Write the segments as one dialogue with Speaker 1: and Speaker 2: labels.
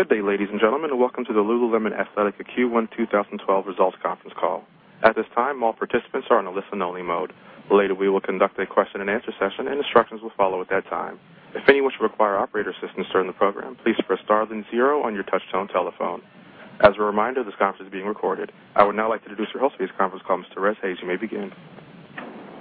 Speaker 1: Good day, ladies and gentlemen, and welcome to the Lululemon Athletica Q1 2012 results conference call. At this time, all participants are on a listen only mode. Later, we will conduct a question and answer session, and instructions will follow at that time. If any wish to require operator assistance during the program, please press star then 0 on your touchtone telephone. As a reminder, this conference is being recorded. I would now like to introduce your host for this conference call, Ms. Therese Hayes. You may begin.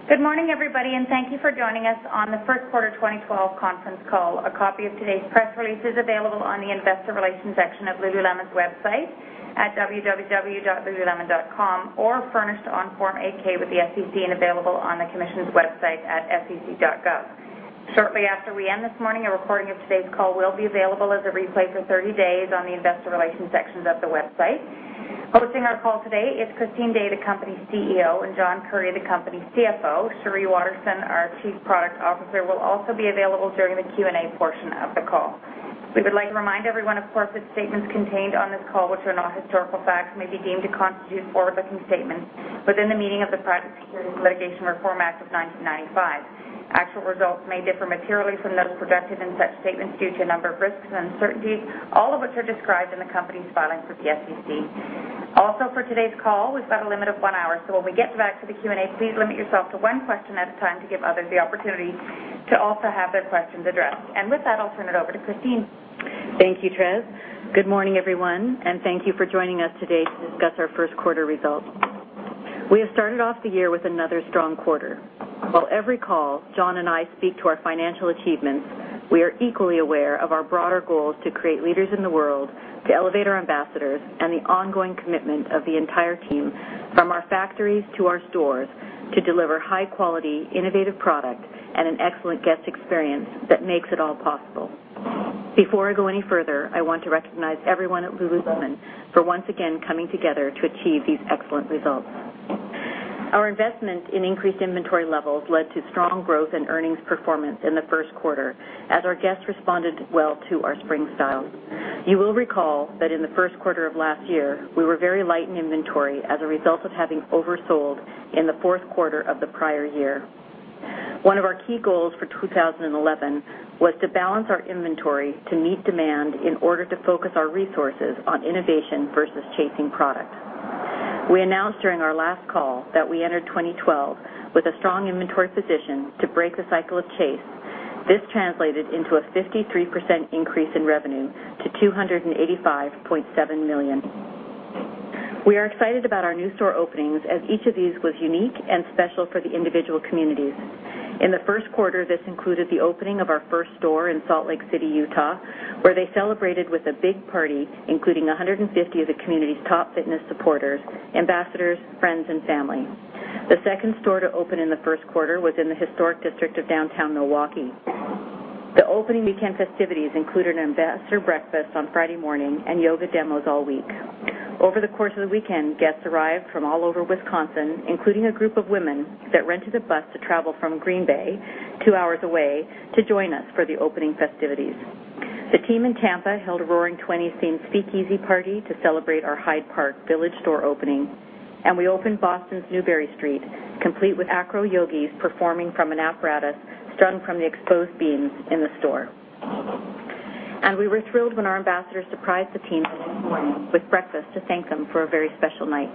Speaker 2: Good morning, everybody, and thank you for joining us on the first quarter 2012 conference call. A copy of today's press release is available on the investor relations section of Lululemon's website at www.lululemon.com or furnished on Form 8-K with the SEC and available on the Commission's website at sec.gov. Shortly after we end this morning, a recording of today's call will be available as a replay for 30 days on the investor relations sections of the website. Hosting our call today is Christine Day, the company's CEO, and John Currie, the company's CFO. Sheree Waterson, our Chief Product Officer, will also be available during the Q&A portion of the call. We would like to remind everyone, of course, that statements contained on this call, which are not historical facts, may be deemed to constitute forward-looking statements within the meaning of the Private Securities Litigation Reform Act of 1995. Actual results may differ materially from those projected, and such statements due to a number of risks and uncertainties, all of which are described in the company's filings with the SEC. Also, for today's call, we've got a limit of one hour, so when we get back to the Q&A, please limit yourself to one question at a time to give others the opportunity to also have their questions addressed. With that, I'll turn it over to Christine.
Speaker 3: Thank you, Therese. Good morning, everyone, and thank you for joining us today to discuss our first quarter results. We have started off the year with another strong quarter. While every call, John and I speak to our financial achievements, we are equally aware of our broader goals to create leaders in the world, to elevate our ambassadors, and the ongoing commitment of the entire team, from our factories to our stores, to deliver high quality, innovative product and an excellent guest experience that makes it all possible. Before I go any further, I want to recognize everyone at Lululemon for once again coming together to achieve these excellent results. Our investment in increased inventory levels led to strong growth and earnings performance in the first quarter as our guests responded well to our spring styles. You will recall that in the first quarter of last year, we were very light in inventory as a result of having oversold in the fourth quarter of the prior year. One of our key goals for 2011 was to balance our inventory to meet demand in order to focus our resources on innovation versus chasing product. We announced during our last call that we entered 2012 with a strong inventory position to break the cycle of chase. This translated into a 53% increase in revenue to $285.7 million. We are excited about our new store openings, as each of these was unique and special for the individual communities. In the first quarter, this included the opening of our first store in Salt Lake City, Utah, where they celebrated with a big party, including 150 of the community's top fitness supporters, ambassadors, friends, and family. The second store to open in the first quarter was in the historic district of downtown Milwaukee. The opening weekend festivities included an ambassador breakfast on Friday morning and yoga demos all week. Over the course of the weekend, guests arrived from all over Wisconsin, including a group of women that rented a bus to travel from Green Bay, two hours away, to join us for the opening festivities. The team in Tampa held a Roaring Twenties-themed speakeasy party to celebrate our Hyde Park Village store opening, and we opened Boston's Newbury Street, complete with acro yogis performing from an apparatus strung from the exposed beams in the store. We were thrilled when our ambassadors surprised the team the next morning with breakfast to thank them for a very special night.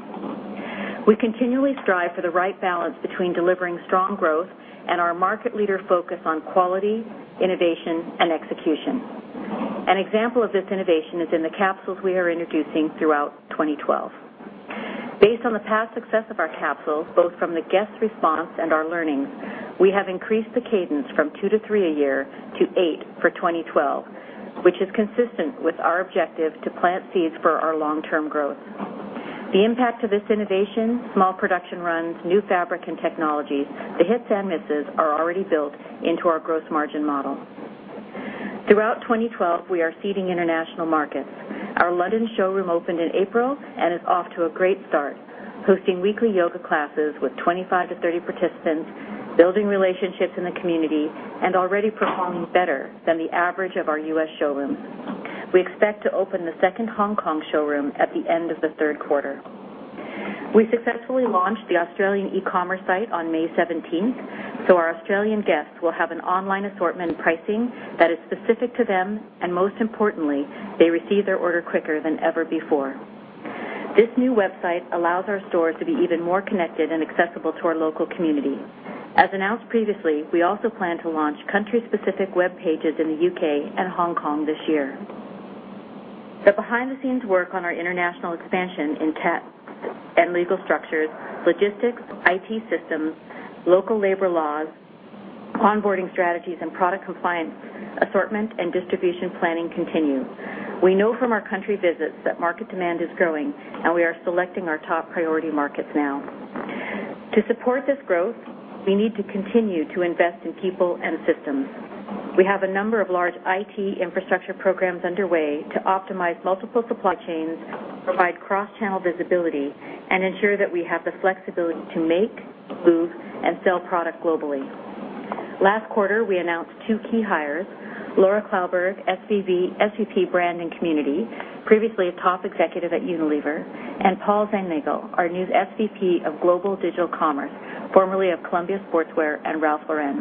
Speaker 3: We continually strive for the right balance between delivering strong growth and our market leader focus on quality, innovation, and execution. An example of this innovation is in the capsules we are introducing throughout 2012. Based on the past success of our capsules, both from the guest response and our learnings, we have increased the cadence from two to three a year to eight for 2012, which is consistent with our objective to plant seeds for our long-term growth. The impact of this innovation, small production runs, new fabric and technologies, the hits and misses are already built into our gross margin model. Throughout 2012, we are seeding international markets. Our London showroom opened in April and is off to a great start, hosting weekly yoga classes with 25 to 30 participants, building relationships in the community, and already performing better than the average of our U.S. showrooms. We expect to open the second Hong Kong showroom at the end of the third quarter. We successfully launched the Australian e-commerce site on May 17th, so our Australian guests will have an online assortment and pricing that is specific to them, and most importantly, they receive their order quicker than ever before. This new website allows our store to be even more connected and accessible to our local community. As announced previously, we also plan to launch country-specific web pages in the U.K. and Hong Kong this year. The behind-the-scenes work on our international expansion in tech and legal structures, logistics, IT systems, local labor laws, onboarding strategies, and product compliance, assortment, and distribution planning continue. We know from our country visits that market demand is growing. We are selecting our top priority markets now. To support this growth, we need to continue to invest in people and systems. We have a number of large IT infrastructure programs underway to optimize multiple supply chains, provide cross-channel visibility, and ensure that we have the flexibility to make, move, and sell product globally. Last quarter, we announced two key hires, Laura Klauberg, SVP, brand and community, previously a top executive at Unilever, and Paul Van Nagle, our new SVP of global digital commerce, formerly of Columbia Sportswear and Ralph Lauren.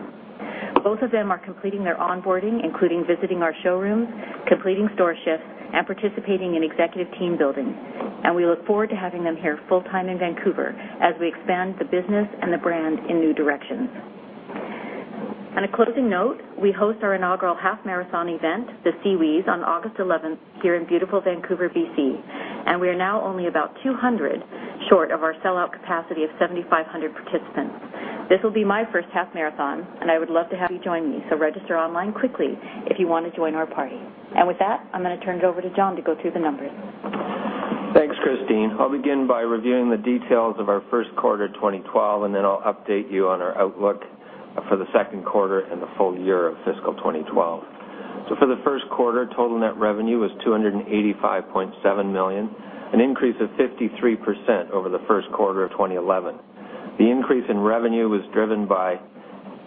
Speaker 3: Both of them are completing their onboarding, including visiting our showrooms, completing store shifts, and participating in executive team-building. We look forward to having them here full-time in Vancouver as we expand the business and the brand in new directions. On a closing note, we host our inaugural half-marathon event, the SeaWheeze, on August 11th here in beautiful Vancouver, BC, and we are now only about 200 short of our sell-out capacity of 7,500 participants. This will be my first half marathon, and I would love to have you join me, so register online quickly if you want to join our party. With that, I'm going to turn it over to John to go through the numbers.
Speaker 4: Thanks, Christine. I'll begin by reviewing the details of our first quarter 2012. Then I'll update you on our outlook for the second quarter and the full year of fiscal 2012. For the first quarter, total net revenue was $285.7 million, an increase of 53% over the first quarter of 2011. The increase in revenue was driven by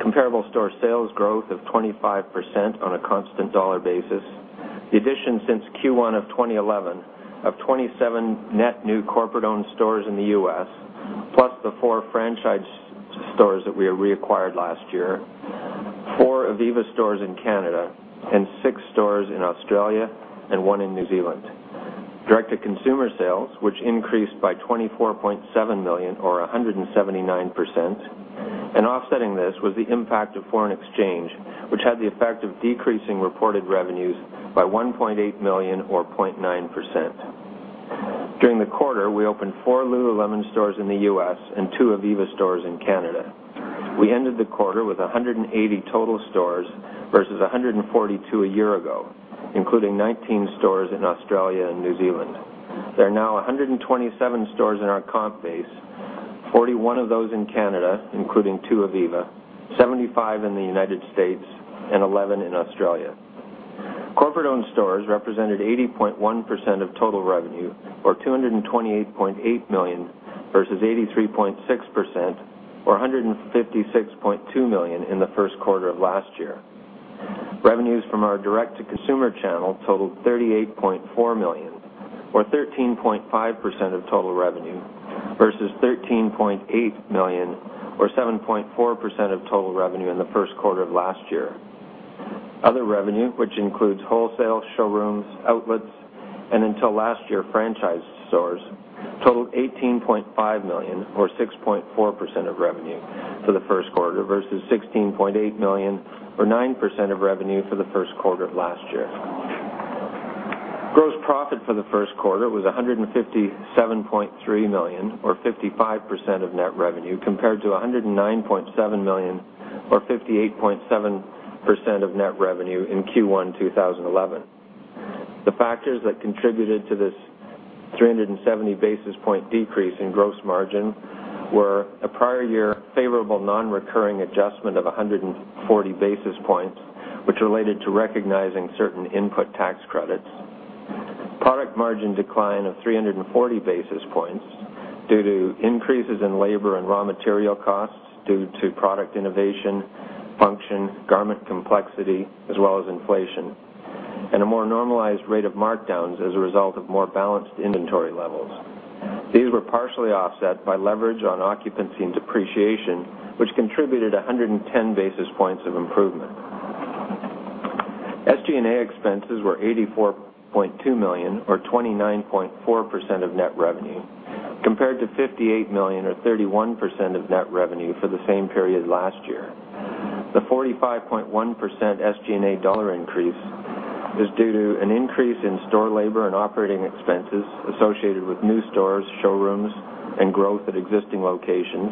Speaker 4: comparable store sales growth of 25% on a constant dollar basis. The addition since Q1 of 2011 of 27 net new corporate-owned stores in the U.S., plus the four franchise stores that we reacquired last year, four ivivva stores in Canada, and six stores in Australia and one in New Zealand. Direct-to-consumer sales, which increased by $24.7 million or 179%. Offsetting this was the impact of foreign exchange, which had the effect of decreasing reported revenues by $1.8 million or 0.9%. During the quarter, we opened four Lululemon stores in the U.S. and two ivivva stores in Canada. We ended the quarter with 180 total stores versus 142 a year ago, including 19 stores in Australia and New Zealand. There are now 127 stores in our comp base, 41 of those in Canada, including two ivivva, 75 in the United States, and 11 in Australia. Corporate-owned stores represented 80.1% of total revenue or $228.8 million versus 83.6% or $156.2 million in the first quarter of last year. Revenues from our direct-to-consumer channel totaled $38.4 million or 13.5% of total revenue versus $13.8 million or 7.4% of total revenue in the first quarter of last year. Other revenue, which includes wholesale showrooms, outlets, and until last year, franchise stores, totaled $18.5 million or 6.4% of revenue for the first quarter versus $16.8 million or 9% of revenue for the first quarter of last year. Gross profit for the first quarter was $157.3 million or 55% of net revenue compared to $109.7 million or 58.7% of net revenue in Q1 2011. The factors that contributed to this 370 basis point decrease in gross margin were a prior year favorable non-recurring adjustment of 140 basis points, which related to recognizing certain input tax credits. Product margin decline of 340 basis points due to increases in labor and raw material costs due to product innovation, function, garment complexity, as well as inflation, and a more normalized rate of markdowns as a result of more balanced inventory levels. These were partially offset by leverage on occupancy and depreciation, which contributed 110 basis points of improvement. SG&A expenses were $84.2 million or 29.4% of net revenue, compared to $58 million or 31% of net revenue for the same period last year. The 45.1% SG&A dollar increase is due to an increase in store labor and operating expenses associated with new stores, showrooms, and growth at existing locations.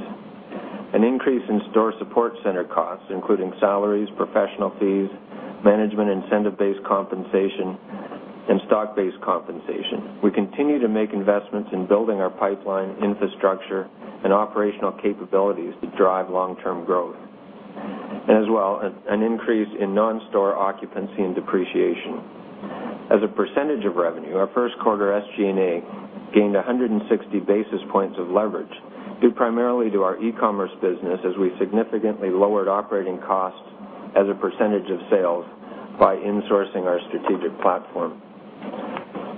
Speaker 4: An increase in store support center costs, including salaries, professional fees, management incentive-based compensation, and stock-based compensation. We continue to make investments in building our pipeline infrastructure and operational capabilities to drive long-term growth. As well, an increase in non-store occupancy and depreciation. As a percentage of revenue, our first quarter SG&A gained 160 basis points of leverage due primarily to our e-commerce business as we significantly lowered operating costs as a percentage of sales by insourcing our strategic platform.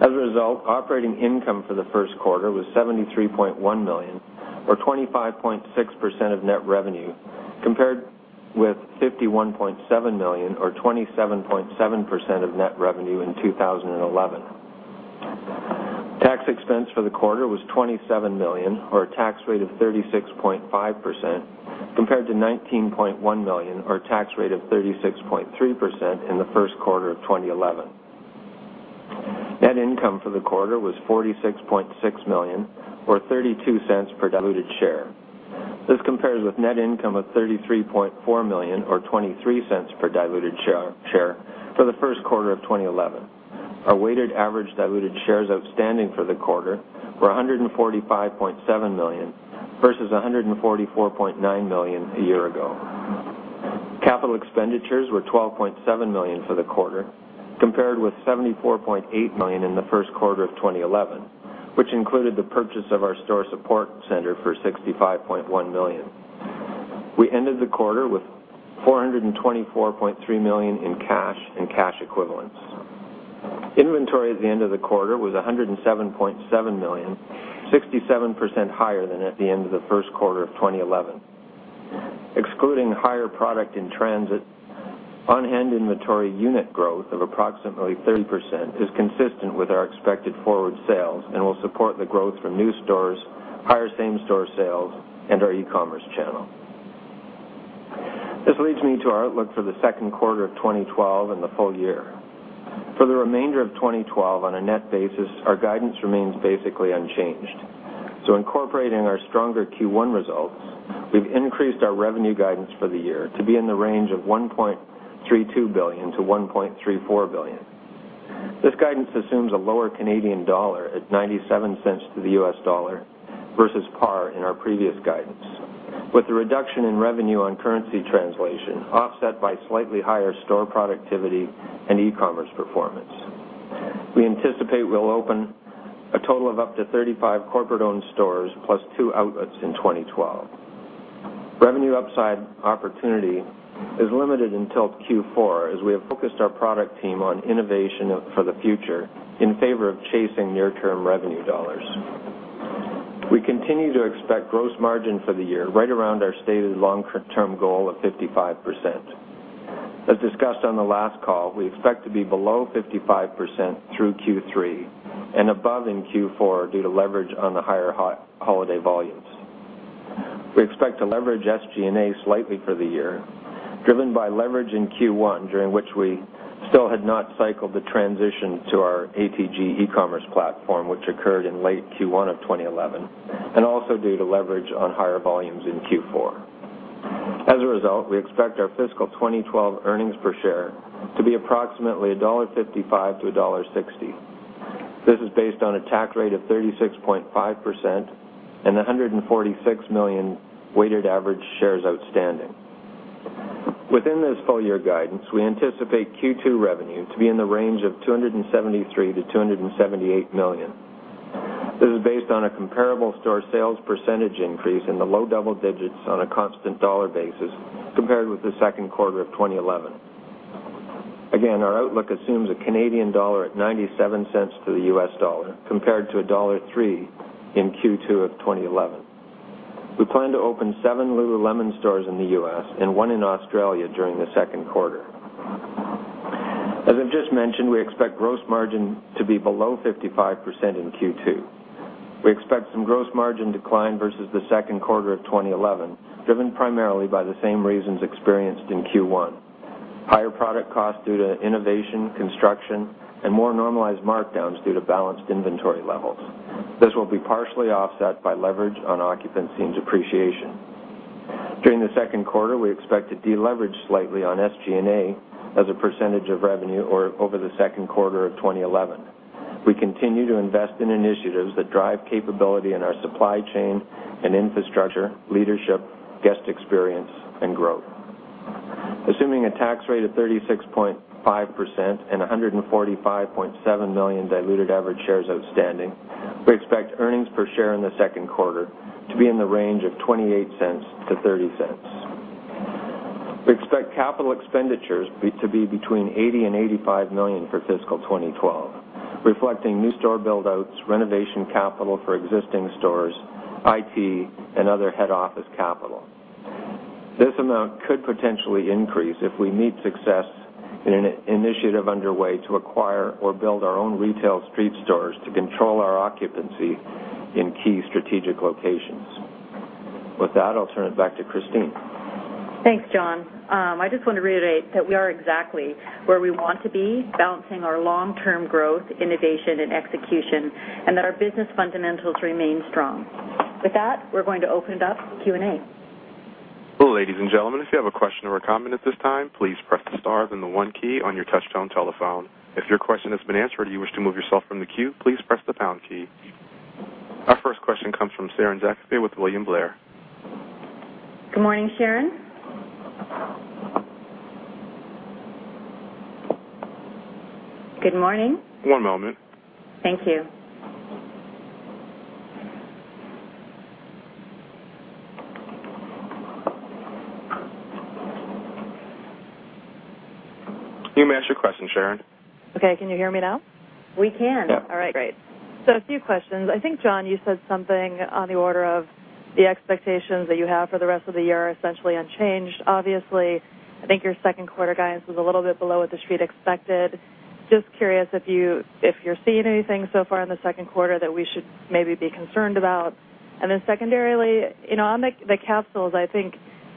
Speaker 4: As a result, operating income for the first quarter was $73.1 million or 25.6% of net revenue, compared with $51.7 million or 27.7% of net revenue in 2011. Tax expense for the quarter was $27 million, or a tax rate of 36.5%, compared to $19.1 million or a tax rate of 36.3% in the first quarter of 2011. Net income for the quarter was $46.6 million or $0.32 per diluted share. This compares with net income of $33.4 million or $0.23 per diluted share for the first quarter of 2011. Our weighted average diluted shares outstanding for the quarter were 145.7 million, versus 144.9 million a year ago. Capital expenditures were $12.7 million for the quarter, compared with $74.8 million in the first quarter of 2011, which included the purchase of our store support center for $65.1 million. We ended the quarter with $424.3 million in cash and cash equivalents. Inventory at the end of the quarter was $107.7 million, 67% higher than at the end of the first quarter of 2011. Excluding higher product in transit, on-hand inventory unit growth of approximately 30% is consistent with our expected forward sales and will support the growth from new stores, higher same-store sales, and our e-commerce channel. This leads me to our outlook for the second quarter of 2012 and the full year. For the remainder of 2012, on a net basis, our guidance remains basically unchanged. Incorporating our stronger Q1 results, we've increased our revenue guidance for the year to be in the range of $1.32 billion-$1.34 billion. This guidance assumes a lower Canadian dollar at $0.97 to the US dollar versus par in our previous guidance, with the reduction in revenue on currency translation offset by slightly higher store productivity and e-commerce performance. We anticipate we'll open a total of up to 35 corporate-owned stores plus two outlets in 2012. Revenue upside opportunity is limited until Q4, as we have focused our product team on innovation for the future in favor of chasing near-term revenue dollars. We continue to expect gross margin for the year right around our stated long-term goal of 55%. As discussed on the last call, we expect to be below 55% through Q3 and above in Q4 due to leverage on the higher holiday volumes. We expect to leverage SG&A slightly for the year, driven by leverage in Q1, during which we still had not cycled the transition to our ATG e-commerce platform, which occurred in late Q1 of 2011, and also due to leverage on higher volumes in Q4. As a result, we expect our fiscal 2012 earnings per share to be approximately $1.55 to $1.60. This is based on a tax rate of 36.5% and 146 million weighted average shares outstanding. Within this full-year guidance, we anticipate Q2 revenue to be in the range of $273 million-$278 million. This is based on a comparable store sales % increase in the low double digits on a constant dollar basis compared with the second quarter of 2011. Again, our outlook assumes a Canadian dollar at $0.97 to the US dollar, compared to $1.03 in Q2 of 2011. We plan to open seven Lululemon stores in the U.S. and one in Australia during the second quarter. As I've just mentioned, we expect gross margin to be below 55% in Q2. We expect some gross margin decline versus the second quarter of 2011, driven primarily by the same reasons experienced in Q1: higher product costs due to innovation, construction, and more normalized markdowns due to balanced inventory levels. This will be partially offset by leverage on occupancy and depreciation. During the second quarter, we expect to deleverage slightly on SG&A as a % of revenue over the second quarter of 2011. We continue to invest in initiatives that drive capability in our supply chain and infrastructure, leadership, guest experience, and growth. Assuming a tax rate of 36.5% and 145.7 million diluted average shares outstanding, we expect earnings per share in the second quarter to be in the range of $0.28-$0.30. We expect capital expenditures to be between $80 million and $85 million for fiscal 2012, reflecting new store build-outs, renovation capital for existing stores, IT, and other head office capital. This amount could potentially increase if we meet success in an initiative underway to acquire or build our own retail street stores to control our occupancy in key strategic locations. With that, I'll turn it back to Christine.
Speaker 3: Thanks, John. I just want to reiterate that we are exactly where we want to be, balancing our long-term growth, innovation, and execution, and that our business fundamentals remain strong. With that, we're going to open it up to Q&A.
Speaker 1: Ladies and gentlemen, if you have a question or a comment at this time, please press the star then the one key on your touch-tone telephone. If your question has been answered or you wish to move yourself from the queue, please press the pound key. Our first question comes from Sharon Zackfia with William Blair.
Speaker 5: Good morning, Sharon. Good morning?
Speaker 1: One moment.
Speaker 5: Thank you.
Speaker 1: You may ask your question, Sharon.
Speaker 6: Okay. Can you hear me now?
Speaker 5: We can.
Speaker 6: Yeah. All right, great. A few questions. I think, John, you said something on the order of the expectations that you have for the rest of the year are essentially unchanged. Obviously, I think your 2Q guidance was a little bit below what the street expected. Just curious if you're seeing anything so far in the 2Q that we should maybe be concerned about. Secondarily, on the capsules, I think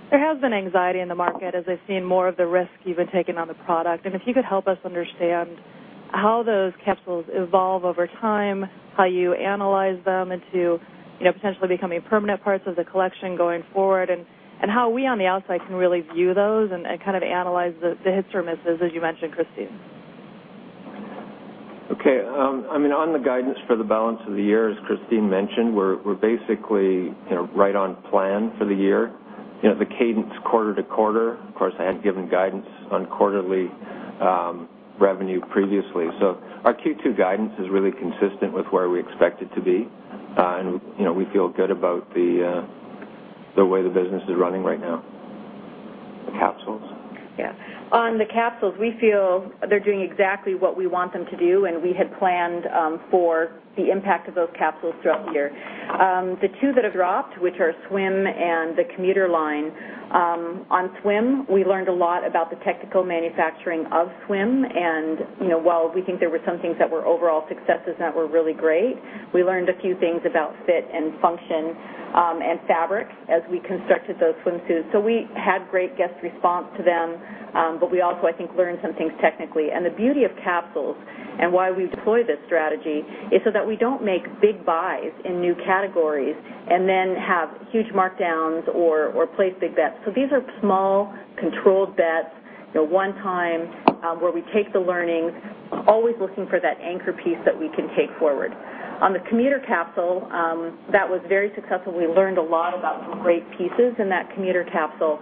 Speaker 6: there has been anxiety in the market as they've seen more of the risk you've been taking on the product. If you could help us understand how those capsules evolve over time, how you analyze them into potentially becoming permanent parts of the collection going forward, and how we on the outside can really view those and kind of analyze the hits or misses as you mentioned, Christine.
Speaker 4: Okay. On the guidance for the balance of the year, as Christine mentioned, we're basically right on plan for the year. The cadence quarter-over-quarter, of course, I hadn't given guidance on quarterly revenue previously. Our Q2 guidance is really consistent with where we expect it to be, and we feel good about the way the business is running right now. The capsules?
Speaker 3: Yeah. On the capsules, we feel they're doing exactly what we want them to do, and we had planned for the impact of those capsules throughout the year. The two that have dropped, which are swim and the commuter line. On swim, we learned a lot about the technical manufacturing of swim, and while we think there were some things that were overall successes that were really great, we learned a few things about fit and function and fabric as we constructed those swimsuits. We had great guest response to them. We also, I think, learned some things technically. The beauty of capsules and why we deploy this strategy is so that we don't make big buys in new categories and then have huge markdowns or place big bets. These are small controlled bets, one time, where we take the learnings, always looking for that anchor piece that we can take forward. On the commuter capsule, that was very successful. We learned a lot about some great pieces in that commuter capsule.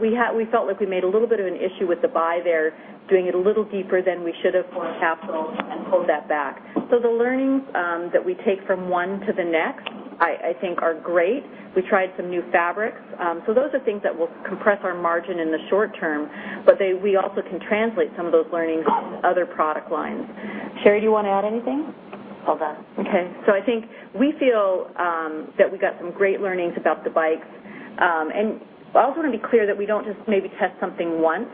Speaker 3: We felt like we made a little bit of an issue with the buy there, doing it a little deeper than we should have for a capsule and pulled that back. The learnings that we take from one to the next, I think, are great. We tried some new fabrics. Those are things that will compress our margin in the short term, but we also can translate some of those learnings into other product lines. Sheree, do you want to add anything?
Speaker 5: All done.
Speaker 3: Okay. I think we feel that we got some great learnings about the bikes. I also want to be clear that we don't just maybe test something once.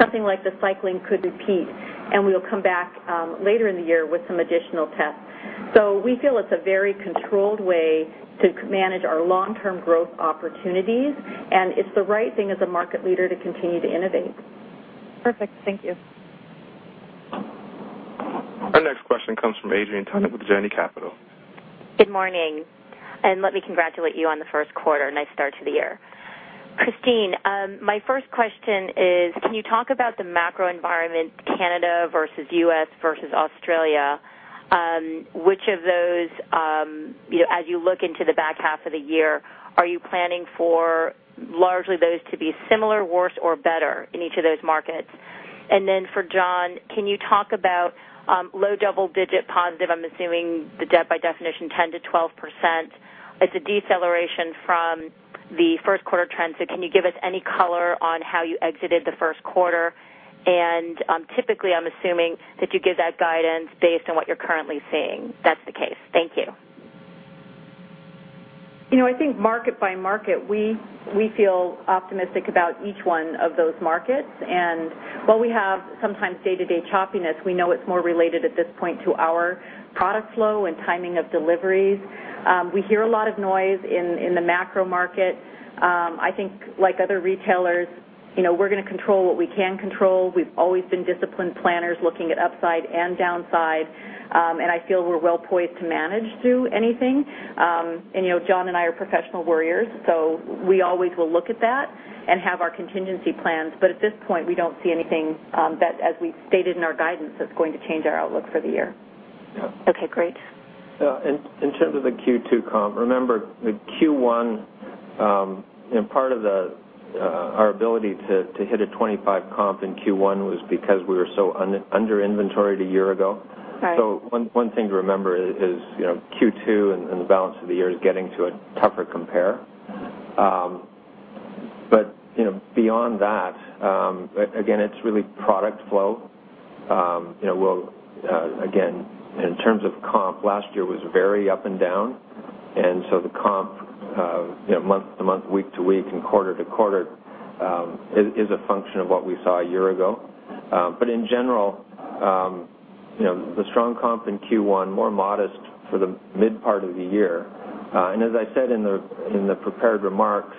Speaker 3: Something like the cycling could repeat, and we'll come back later in the year with some additional tests. We feel it's a very controlled way to manage our long-term growth opportunities, and it's the right thing as a market leader to continue to innovate.
Speaker 6: Perfect. Thank you.
Speaker 1: Our next question comes from Adrienne Tennant with Janney Capital.
Speaker 7: Good morning. Let me congratulate you on the first quarter. Nice start to the year. Christine Day, my first question is, can you talk about the macro environment, Canada versus U.S., versus Australia? Which of those, as you look into the back half of the year, are you planning for largely those to be similar, worse or better in each of those markets? For John Currie, can you talk about low double digit positive, I am assuming the debt by definition 10%-12%, it is a deceleration from the first quarter trends. Can you give us any color on how you exited the first quarter? Typically, I am assuming that you give that guidance based on what you are currently seeing. If that is the case. Thank you.
Speaker 3: I think market by market, we feel optimistic about each one of those markets. While we have sometimes day-to-day choppiness, we know it is more related at this point to our product flow and timing of deliveries. We hear a lot of noise in the macro market. I think like other retailers, we are going to control what we can control. We have always been disciplined planners looking at upside and downside. I feel we are well poised to manage through anything. John Currie and I are professional worriers, we always will look at that and have our contingency plans. At this point, we do not see anything that, as we stated in our guidance, that is going to change our outlook for the year.
Speaker 7: Okay, great.
Speaker 4: In terms of the Q2 comp, remember the Q1, part of our ability to hit a 25 comp in Q1 was because we were so under inventoried a year ago.
Speaker 7: Right.
Speaker 4: One thing to remember is Q2 and the balance of the year is getting to a tougher compare. Beyond that, again, it's really product flow. Again, in terms of comp, last year was very up and down, the comp month to month, week to week, and quarter to quarter is a function of what we saw a year ago. In general, the strong comp in Q1, more modest for the mid part of the year. As I said in the prepared remarks,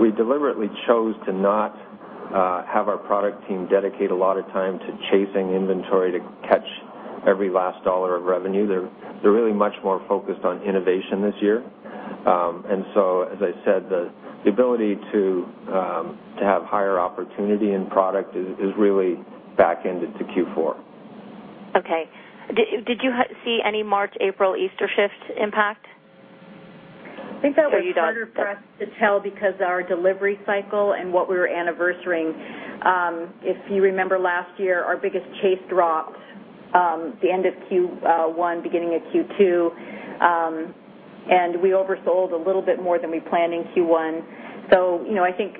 Speaker 4: we deliberately chose to not have our product team dedicate a lot of time to chasing inventory to catch every last dollar of revenue. They're really much more focused on innovation this year. As I said, the ability to have higher opportunity in product is really backended to Q4.
Speaker 7: Okay. Did you see any March, April Easter shift impact?
Speaker 3: I think that was harder for us to tell because our delivery cycle and what we were anniversarying. If you remember last year, our biggest chase dropped the end of Q1, beginning of Q2. We oversold a little bit more than we planned in Q1. I think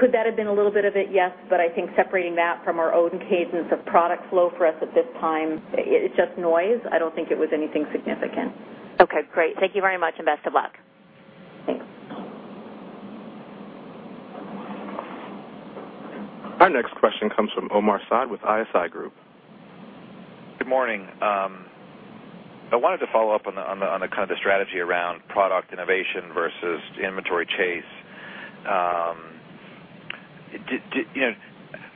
Speaker 3: could that have been a little bit of it? Yes. I think separating that from our own cadence of product flow for us at this time, it's just noise. I don't think it was anything significant.
Speaker 7: Okay, great. Thank you very much, and best of luck.
Speaker 3: Thanks.
Speaker 1: Our next question comes from Omar Saad with ISI Group.
Speaker 8: Good morning. I wanted to follow up on the strategy around product innovation versus inventory chase.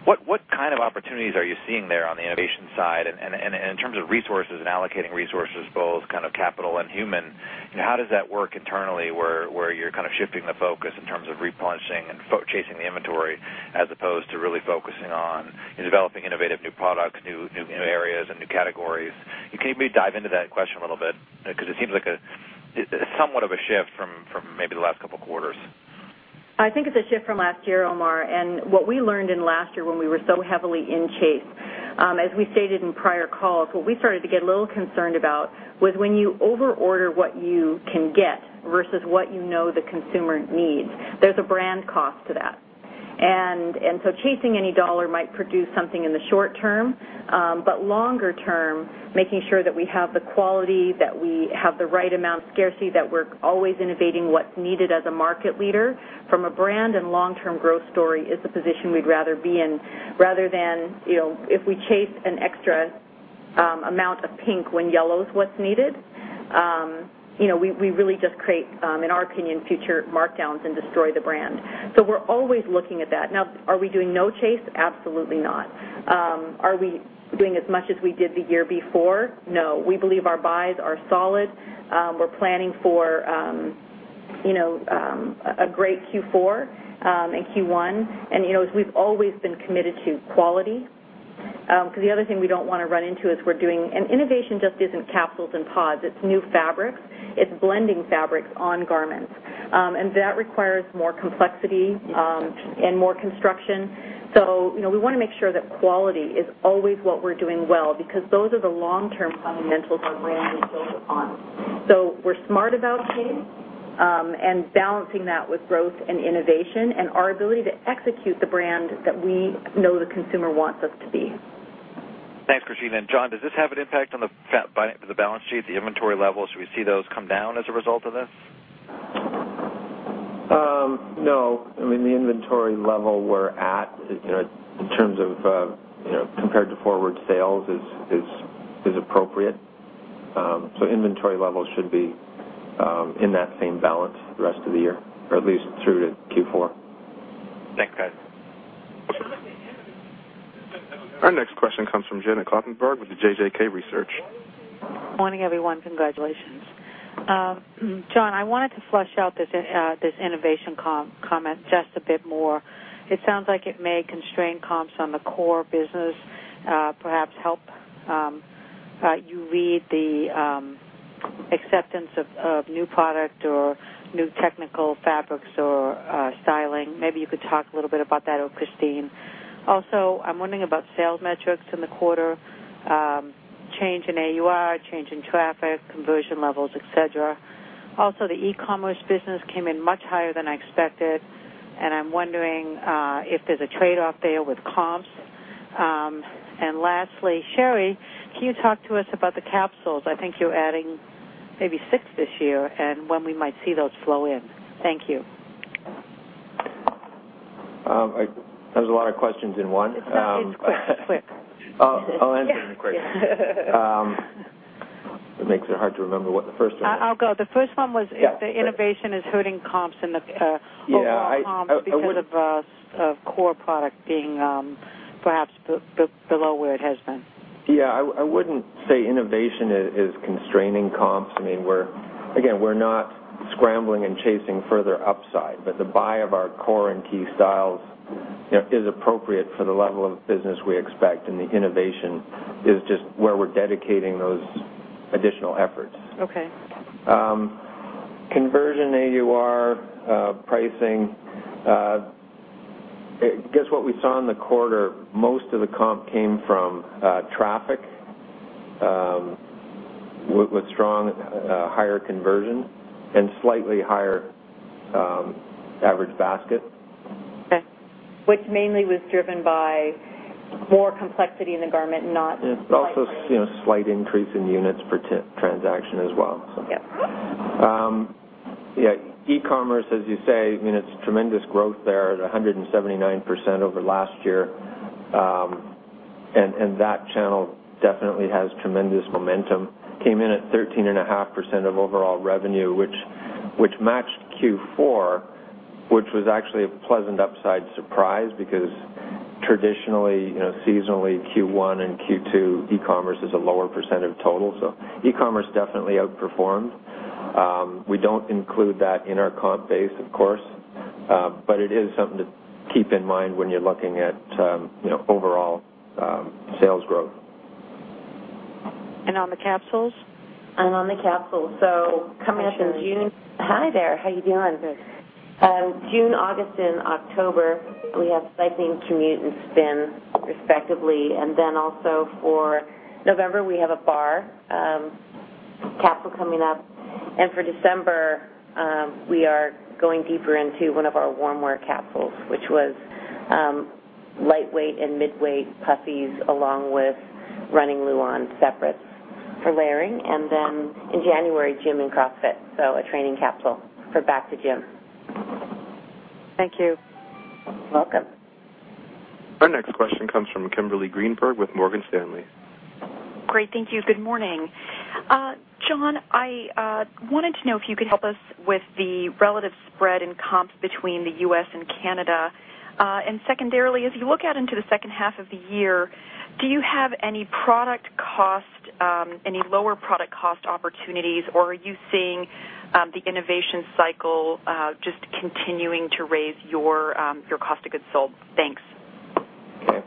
Speaker 8: What kind of opportunities are you seeing there on the innovation side and in terms of resources and allocating resources, both capital and human, how does that work internally where you're shifting the focus in terms of replenishing and chasing the inventory as opposed to really focusing on developing innovative new products, new areas, and new categories? Can you maybe dive into that question a little bit? Because it seems like somewhat of a shift from maybe the last couple of quarters.
Speaker 3: I think it's a shift from last year, Omar, what we learned in last year when we were so heavily in chase. As we stated in prior calls, what we started to get a little concerned about was when you over-order what you can get versus what you know the consumer needs. There's a brand cost to that. Chasing any dollar might produce something in the short term, but longer term, making sure that we have the quality, that we have the right amount of scarcity, that we're always innovating what's needed as a market leader from a brand and long-term growth story is the position we'd rather be in, rather than if we chase an extra amount of pink when yellow is what's needed. We really just create, in our opinion, future markdowns and destroy the brand. We're always looking at that. Now, are we doing no chase? Absolutely not. Are we doing as much as we did the year before? No. We believe our buys are solid. We're planning for a great Q4 and Q1. As we've always been committed to quality, because the other thing we don't want to run into is innovation just isn't capsules and pods. It's new fabrics. It's blending fabrics on garments. That requires more complexity and more construction. We want to make sure that quality is always what we're doing well, because those are the long-term fundamentals our brand is built upon. We're smart about chasing and balancing that with growth and innovation and our ability to execute the brand that we know the consumer wants us to be.
Speaker 8: Thanks, Christine. John, does this have an impact on the balance sheet, the inventory levels? Do we see those come down as a result of this?
Speaker 4: No. The inventory level we're at in terms of compared to forward sales is appropriate. Inventory levels should be in that same balance the rest of the year or at least through to Q4.
Speaker 8: Thanks, guys.
Speaker 1: Our next question comes from Janet Kloppenburg with JJK Research.
Speaker 9: Morning, everyone. Congratulations. John, I wanted to flush out this innovation comment just a bit more. It sounds like it may constrain comps on the core business, perhaps help you read the acceptance of new product or new technical fabrics or styling. Maybe you could talk a little bit about that with Christine. Also, I'm wondering about sales metrics in the quarter, change in AUR, change in traffic, conversion levels, et cetera. Also, the e-commerce business came in much higher than I expected, and I'm wondering if there's a trade-off there with comps. Lastly, Sheree, can you talk to us about the capsules? I think you're adding maybe six this year, and when we might see those flow in. Thank you.
Speaker 4: That was a lot of questions in one.
Speaker 9: It's okay. It's quick.
Speaker 4: I'll answer them quick. It makes it hard to remember what the first one was.
Speaker 9: I'll go. The first one was if the innovation is hurting comps and the overall comps because of core product being perhaps below where it has been.
Speaker 4: Yeah, I wouldn't say innovation is constraining comps. Again, we're not scrambling and chasing further upside. The buy of our core and key styles is appropriate for the level of business we expect, and the innovation is just where we're dedicating those additional efforts.
Speaker 9: Okay.
Speaker 4: Conversion AUR pricing. Guess what we saw in the quarter, most of the comp came from traffic with strong higher conversion and slightly higher average basket.
Speaker 9: Okay.
Speaker 3: Which mainly was driven by more complexity in the garment, not.
Speaker 4: Also slight increase in units per transaction as well.
Speaker 3: Yep.
Speaker 4: Yeah. E-commerce, as you say, it's tremendous growth there at 179% over last year. That channel definitely has tremendous momentum. Came in at 13.5% of overall revenue, which matched Q4, which was actually a pleasant upside surprise because traditionally, seasonally, Q1 and Q2 e-commerce is a lower percent of total. E-commerce definitely outperformed. We don't include that in our comp base, of course, but it is something to keep in mind when you're looking at overall sales growth.
Speaker 9: On the capsules?
Speaker 5: On the capsules. Coming up in June. Hi, Sheree. Hi there. How you doing?
Speaker 9: Good.
Speaker 5: June, August, and October, we have Cycling, Commute, and Spin, respectively. Also for November, we have a Barre capsule coming up. For December, we are going deeper into one of our warm wear capsules, which was lightweight and mid-weight puffies, along with running Luon separates for layering. In January, gym and CrossFit, so a training capsule for back to gym.
Speaker 9: Thank you.
Speaker 3: You're welcome.
Speaker 1: Our next question comes from Kimberly Greenberger with Morgan Stanley.
Speaker 10: Great. Thank you. Good morning. John, I wanted to know if you could help us with the relative spread in comps between the U.S. and Canada. Secondarily, as you look out into the second half of the year, do you have any lower product cost opportunities, or are you seeing the innovation cycle just continuing to raise your cost of goods sold? Thanks.
Speaker 4: Okay.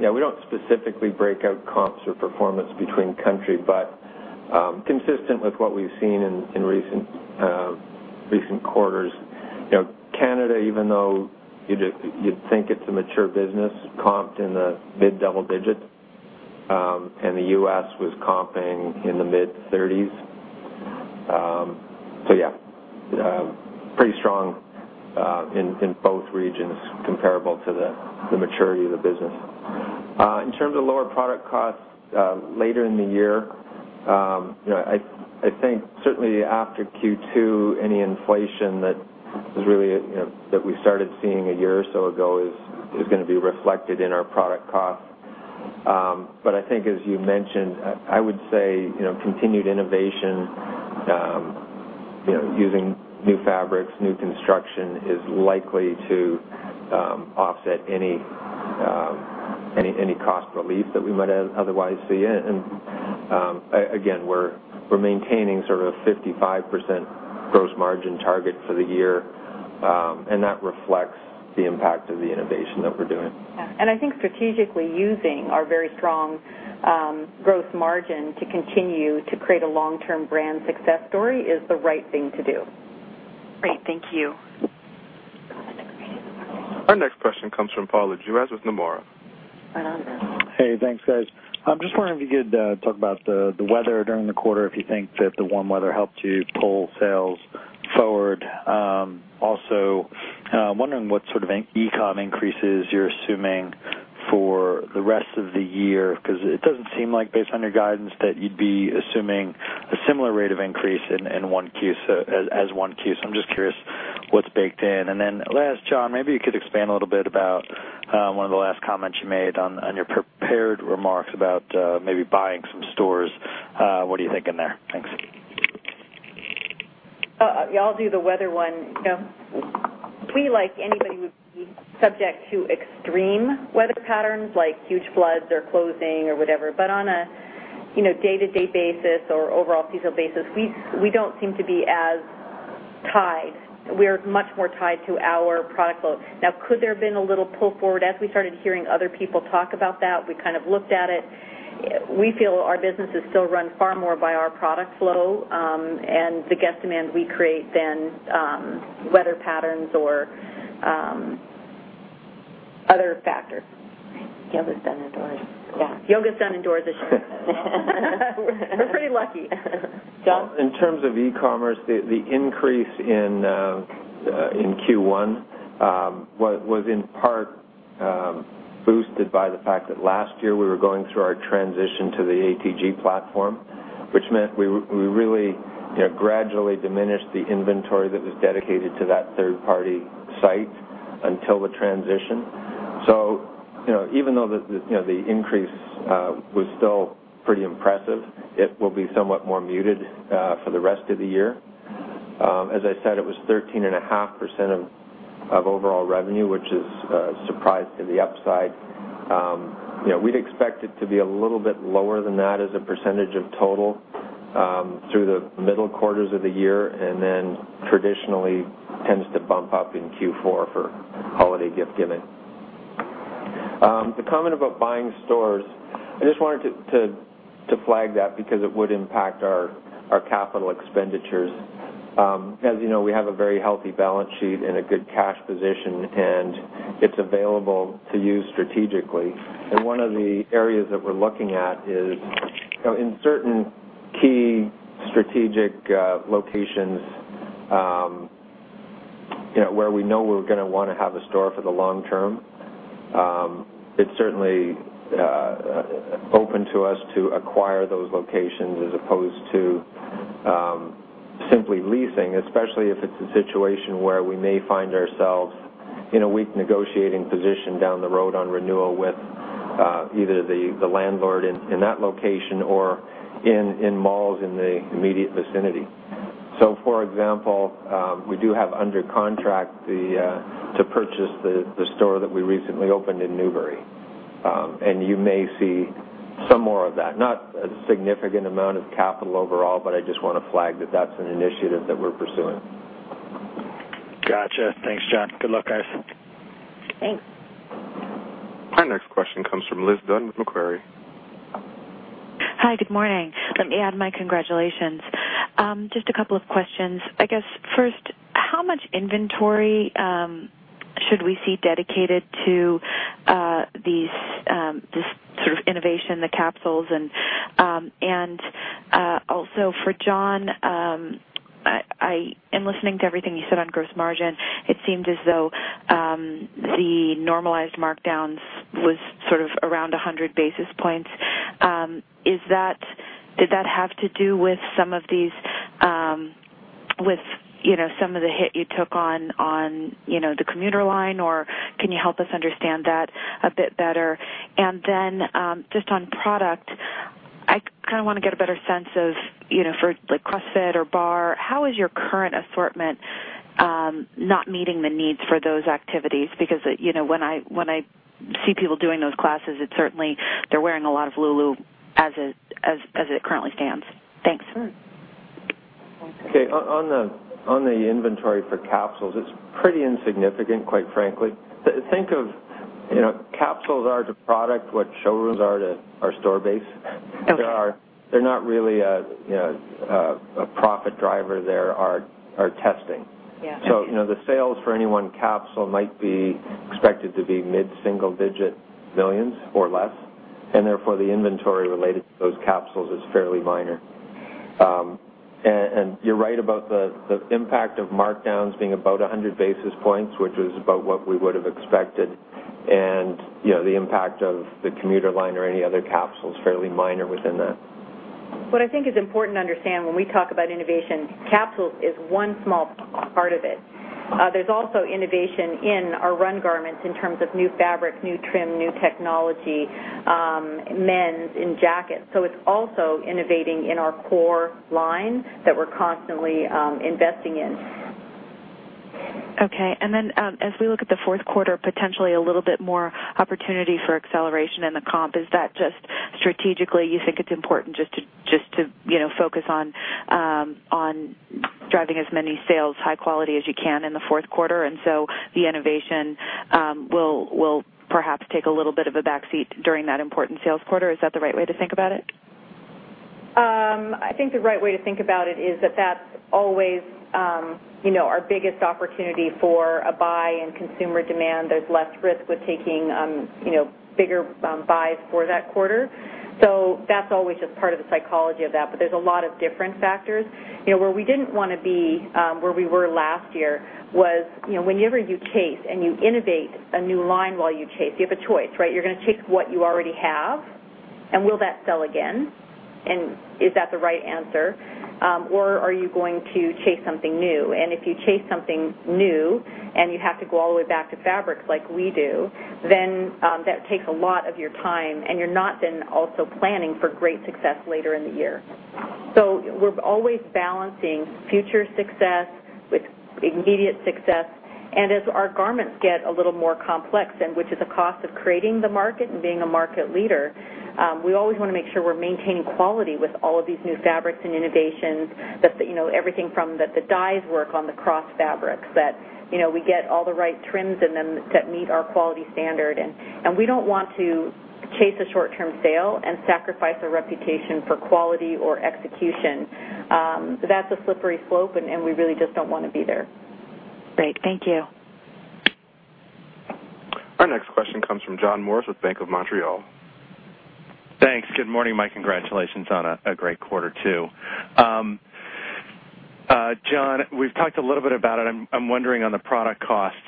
Speaker 4: Yeah, we don't specifically break out comps or performance between country. Consistent with what we've seen in recent quarters, Canada, even though you'd think it's a mature business, comped in the mid-double digits, and the U.S. was comping in the mid-30s. Yeah. Pretty strong in both regions comparable to the maturity of the business. In terms of lower product costs later in the year, I think certainly after Q2, any inflation that we started seeing a year or so ago is going to be reflected in our product costs. I think as you mentioned, I would say, continued innovation, using new fabrics, new construction, is likely to offset any cost relief that we might otherwise see. Again, we're maintaining sort of 55% gross margin target for the year, and that reflects the impact of the innovation that we're doing.
Speaker 3: Yeah. I think strategically using our very strong growth margin to continue to create a long-term brand success story is the right thing to do.
Speaker 10: Great. Thank you.
Speaker 1: Our next question comes from Paul Lejuez with Nomura.
Speaker 11: Hey, thanks, guys. I'm just wondering if you could talk about the weather during the quarter, if you think that the warm weather helped you pull sales forward. Wondering what sort of e-com increases you're assuming for the rest of the year, because it doesn't seem like based on your guidance that you'd be assuming a similar rate of increase as 1Q. I'm just curious what's baked in. Then last, John, maybe you could expand a little bit about one of the last comments you made on your prepared remarks about maybe buying some stores. What are you thinking there? Thanks.
Speaker 3: I'll do the weather one. We, like anybody, would be subject to extreme weather patterns, like huge floods or closing or whatever. On a day-to-day basis or overall seasonal basis, we don't seem to be as tied. We're much more tied to our product flow. Could there have been a little pull forward? As we started hearing other people talk about that, we looked at it. We feel our business is still run far more by our product flow, and the guest demand we create than weather patterns or other factors. Yoga's done indoors. Yeah. Yoga's done indoors this year. We're pretty lucky. John?
Speaker 4: In terms of e-commerce, the increase in Q1 was in part boosted by the fact that last year we were going through our transition to the ATG platform, which meant we really gradually diminished the inventory that was dedicated to that third-party site until the transition. Even though the increase was still pretty impressive, it will be somewhat more muted for the rest of the year. As I said, it was 13.5% of overall revenue, which is a surprise to the upside. We'd expect it to be a little bit lower than that as a percentage of total through the middle quarters of the year, and then traditionally tends to bump up in Q4 for holiday gift-giving. The comment about buying stores, I just wanted to flag that because it would impact our capital expenditures. As you know, we have a very healthy balance sheet and a good cash position. It's available to use strategically. One of the areas that we're looking at is in certain key strategic locations where we know we're going to want to have a store for the long term. It's certainly open to us to acquire those locations as opposed to simply leasing, especially if it's a situation where we may find ourselves in a weak negotiating position down the road on renewal with either the landlord in that location or in malls in the immediate vicinity. For example, we do have under contract to purchase the store that we recently opened in Newbury. You may see some more of that. Not a significant amount of capital overall, but I just want to flag that that's an initiative that we're pursuing.
Speaker 11: Gotcha. Thanks, John. Good luck, guys.
Speaker 3: Thanks.
Speaker 1: Our next question comes from Liz Dunn with Macquarie.
Speaker 12: Hi, good morning. Let me add my congratulations. Just a couple of questions. I guess, first, how much inventory should we see dedicated to this sort of innovation, the capsules, and also for John, I am listening to everything you said on gross margin. It seemed as though the normalized markdowns was sort of around 100 basis points. Did that have to do with some of the hit you took on the commuter line, or can you help us understand that a bit better? Then just on product, I want to get a better sense of for CrossFit or Barre, how is your current assortment not meeting the needs for those activities? Because when I see people doing those classes, it's certainly they're wearing a lot of Lulu as it currently stands. Thanks.
Speaker 4: Okay. On the inventory for capsules, it's pretty insignificant, quite frankly. Think of capsules are to product what showrooms are to our store base.
Speaker 3: Okay.
Speaker 4: They're not really a profit driver. They are our testing.
Speaker 3: Yeah. Okay.
Speaker 4: The sales for any one capsule might be expected to be mid-single digit millions or less, and therefore, the inventory related to those capsules is fairly minor. You're right about the impact of markdowns being about 100 basis points, which is about what we would've expected. The impact of the commuter line or any other capsule is fairly minor within that.
Speaker 3: What I think is important to understand when we talk about innovation, capsules is one small part of it. There's also innovation in our run garments in terms of new fabric, new trim, new technology, men's in jackets. It's also innovating in our core line that we're constantly investing in.
Speaker 12: Okay. As we look at the fourth quarter, potentially a little bit more opportunity for acceleration in the comp. Is that just strategically, you think it's important just to focus on driving as many sales, high quality as you can in the fourth quarter, the innovation will perhaps take a little bit of a backseat during that important sales quarter? Is that the right way to think about it?
Speaker 3: I think the right way to think about it is that's always our biggest opportunity for a buy in consumer demand. There's less risk with taking bigger buys for that quarter. That's always just part of the psychology of that, but there's a lot of different factors. Where we didn't want to be where we were last year was, whenever you chase and you innovate a new line while you chase, you have a choice, right? You're going to chase what you already have, and will that sell again, and is that the right answer? Are you going to chase something new? If you chase something new, and you have to go all the way back to fabrics like we do, that takes a lot of your time, and you're not then also planning for great success later in the year. We're always balancing future success with immediate success. As our garments get a little more complex, and which is a cost of creating the market and being a market leader, we always want to make sure we're maintaining quality with all of these new fabrics and innovations. That everything from the dyes work on the cross fabrics. That we get all the right trims in them that meet our quality standard. We don't want to chase a short-term sale and sacrifice a reputation for quality or execution. That's a slippery slope, and we really just don't want to be there.
Speaker 12: Great. Thank you.
Speaker 1: Our next question comes from John Morris with Bank of Montreal.
Speaker 13: Thanks. Good morning. My congratulations on a great quarter, too. John, we've talked a little bit about it. I'm wondering on the product costs,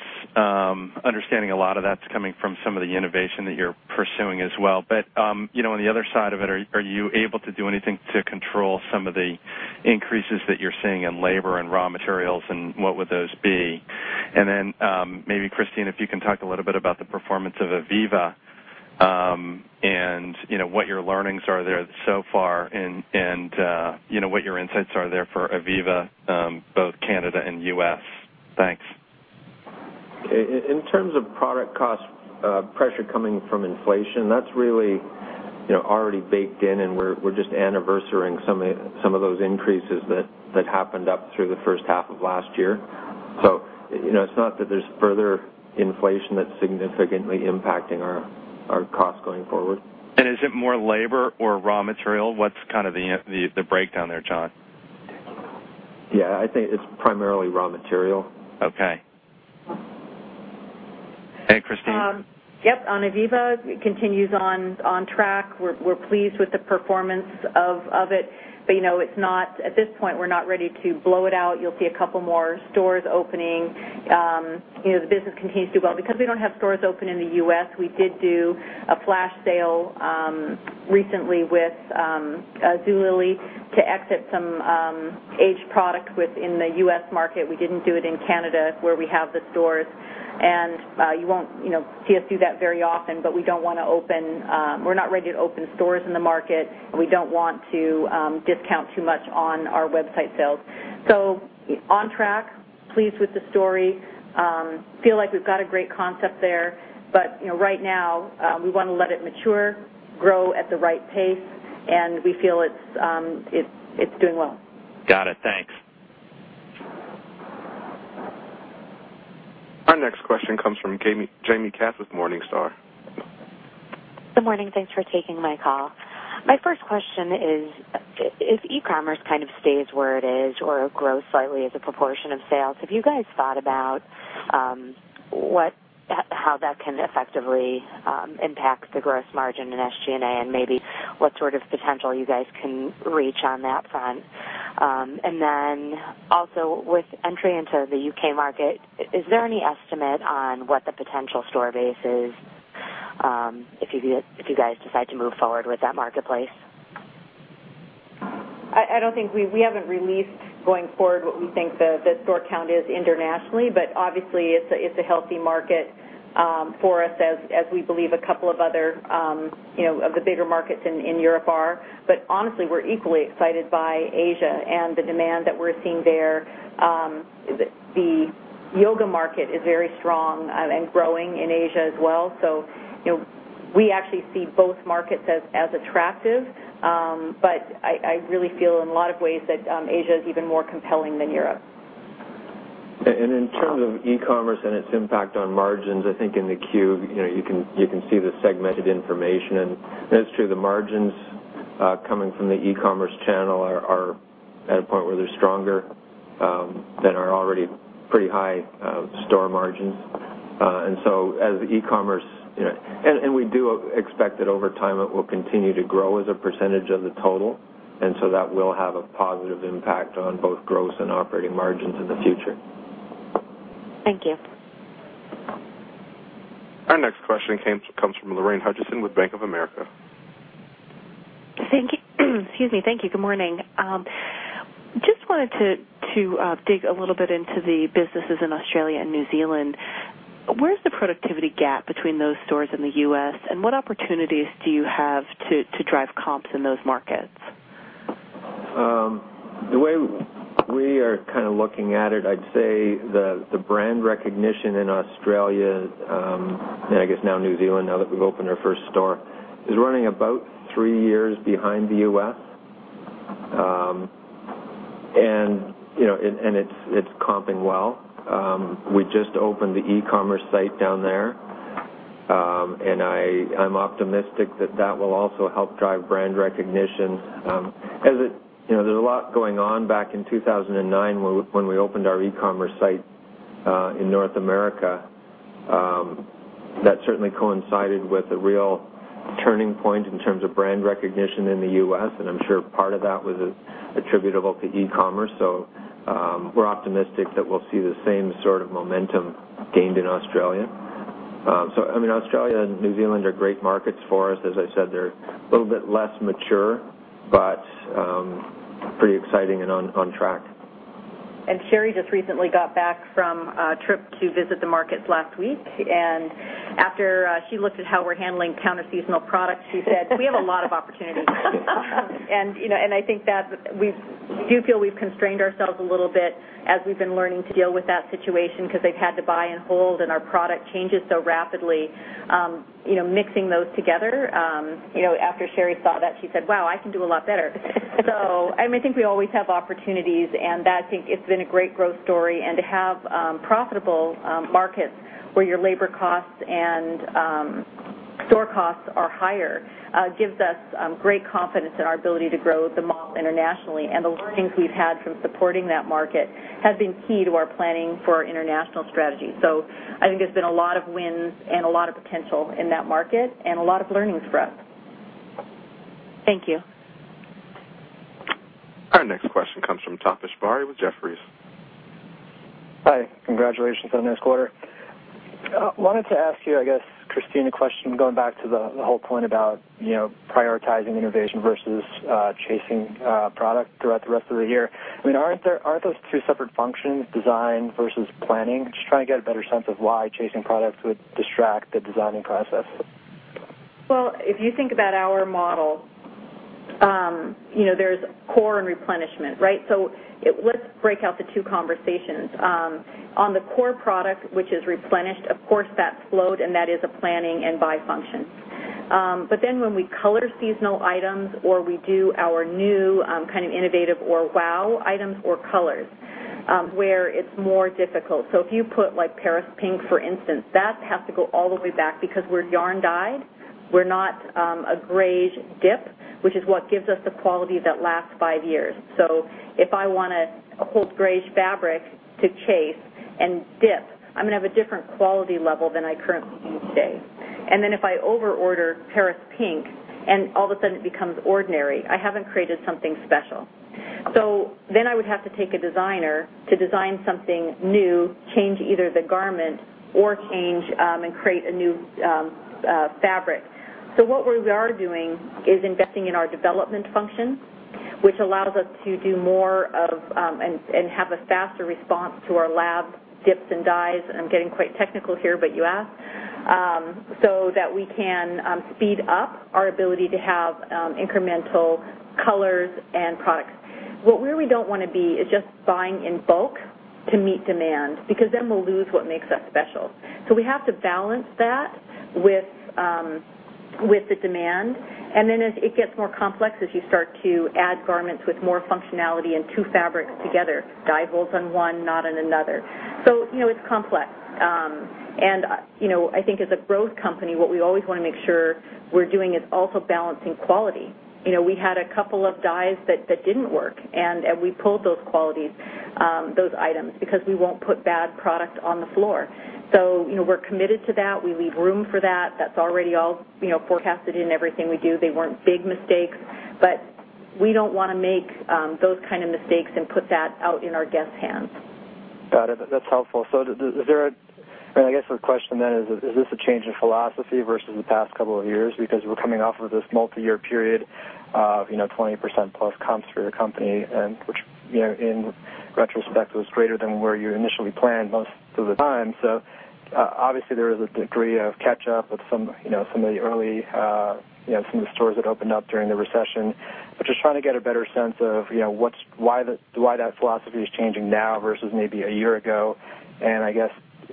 Speaker 13: understanding a lot of that's coming from some of the innovation that you're pursuing as well. On the other side of it, are you able to do anything to control some of the increases that you're seeing in labor and raw materials, and what would those be? Then, maybe Christine, if you can talk a little bit about the performance of ivivva, and what your learnings are there so far, and what your insights are there for ivivva, both Canada and U.S. Thanks.
Speaker 4: In terms of product cost pressure coming from inflation, that's really already baked in, and we're just anniversarying some of those increases that happened up through the first half of last year. It's not that there's further inflation that's significantly impacting our costs going forward.
Speaker 13: Is it more labor or raw material? What's the breakdown there, John?
Speaker 4: Yeah. I think it's primarily raw material.
Speaker 13: Okay. Christine?
Speaker 3: Yep. On ivivva, it continues on track. We're pleased with the performance of it. At this point, we're not ready to blow it out. You'll see a couple more stores opening. The business continues to do well. Because we don't have stores open in the U.S., we did do a flash sale recently with Zulily to exit some aged product within the U.S. market. We didn't do it in Canada, where we have the stores. You won't see us do that very often, but we're not ready to open stores in the market, and we don't want to discount too much on our website sales. On track, pleased with the story. Feel like we've got a great concept there. Right now, we want to let it mature, grow at the right pace, and we feel it's doing well.
Speaker 13: Got it. Thanks.
Speaker 1: Our next question comes from Jamie Kass with Morningstar.
Speaker 14: Good morning. Thanks for taking my call. My first question is, if e-commerce kind of stays where it is or grows slightly as a proportion of sales, have you guys thought about how that can effectively impact the gross margin in SG&A, maybe what sort of potential you guys can reach on that front? Then also, with entry into the U.K. market, is there any estimate on what the potential store base is if you guys decide to move forward with that marketplace?
Speaker 3: We haven't released going forward what we think the store count is internationally, obviously, it's a healthy market for us as we believe a couple of other of the bigger markets in Europe are. Honestly, we're equally excited by Asia and the demand that we're seeing there. The yoga market is very strong and growing in Asia as well. We actually see both markets as attractive. I really feel in a lot of ways that Asia is even more compelling than Europe.
Speaker 4: In terms of e-commerce and its impact on margins, I think in the queue, you can see the segmented information, and it's true, the margins coming from the e-commerce channel are at a point where they're stronger than our already pretty high store margins. We do expect that over time, it will continue to grow as a percentage of the total, and so that will have a positive impact on both gross and operating margins in the future.
Speaker 14: Thank you.
Speaker 1: Our next question comes from Lorraine Hutchinson with Bank of America.
Speaker 15: Excuse me. Thank you. Good morning. I just wanted to dig a little bit into the businesses in Australia and New Zealand. Where's the productivity gap between those stores and the U.S., and what opportunities do you have to drive comps in those markets?
Speaker 4: The way we are looking at it, I'd say the brand recognition in Australia, and I guess now New Zealand, now that we've opened our first store, is running about three years behind the U.S. It's comping well. We just opened the e-commerce site down there. I'm optimistic that that will also help drive brand recognition. There's a lot going on back in 2009 when we opened our e-commerce site in North America. That certainly coincided with a real turning point in terms of brand recognition in the U.S., and I'm sure part of that was attributable to e-commerce. We're optimistic that we'll see the same sort of momentum gained in Australia. Australia and New Zealand are great markets for us. As I said, they're a little bit less mature, but pretty exciting and on track.
Speaker 3: Sheree just recently got back from a trip to visit the markets last week, and after she looked at how we're handling counter seasonal products, she said we have a lot of opportunities. I think that we do feel we've constrained ourselves a little bit as we've been learning to deal with that situation because they've had to buy and hold, and our product changes so rapidly. Mixing those together, after Sheree saw that, she said, "Wow, I can do a lot better." I think we always have opportunities, and that, I think it's been a great growth story. To have profitable markets where your labor costs and store costs are higher gives us great confidence in our ability to grow the model internationally. The learnings we've had from supporting that market have been key to our planning for our international strategy. I think there's been a lot of wins and a lot of potential in that market and a lot of learnings for us.
Speaker 15: Thank you.
Speaker 1: Our next question comes from Taposh Bari with Jefferies.
Speaker 16: Hi. Congratulations on this quarter. I wanted to ask you, I guess, Christine, a question going back to the whole point about prioritizing innovation versus chasing product throughout the rest of the year. Aren't those two separate functions, design versus planning? Just trying to get a better sense of why chasing products would distract the designing process.
Speaker 3: Well, if you think about our model, there's core and replenishment, right? Let's break out the two conversations. On the core product, which is replenished, of course that's slowed, and that is a planning and buy function. When we color seasonal items or we do our new, innovative or wow items or colors, where it's more difficult. If you put Paris pink, for instance, that has to go all the way back because we're yarn dyed. We're not a greige dip, which is what gives us the quality that lasts five years. If I want a whole greige fabric to chase and dip, I'm going to have a different quality level than I currently today. If I over-order Paris pink and all of a sudden it becomes ordinary, I haven't created something special. I would have to take a designer to design something new, change either the garment or change and create a new fabric. What we are doing is investing in our development function, which allows us to do more and have a faster response to our lab dips and dyes, I'm getting quite technical here, but you asked, so that we can speed up our ability to have incremental colors and products. Where we don't want to be is just buying in bulk to meet demand, because then we'll lose what makes us special. We have to balance that with the demand. It gets more complex as you start to add garments with more functionality and two fabrics together, dye holds on one, not on another. It's complex. I think as a growth company, what we always want to make sure we're doing is also balancing quality. We had a couple of dyes that didn't work, and we pulled those qualities, those items, because we won't put bad product on the floor. We're committed to that. We leave room for that. That's already all forecasted in everything we do. They weren't big mistakes, but we don't want to make those kind of mistakes and put that out in our guests' hands.
Speaker 16: Got it. That's helpful. I guess the question then is this a change in philosophy versus the past couple of years? We're coming off of this multi-year period of 20%+ comps for your company, and which, in retrospect, was greater than where you initially planned most of the time. Obviously, there is a degree of catch up with some of the stores that opened up during the recession. Just trying to get a better sense of why that philosophy is changing now versus maybe a year ago. I guess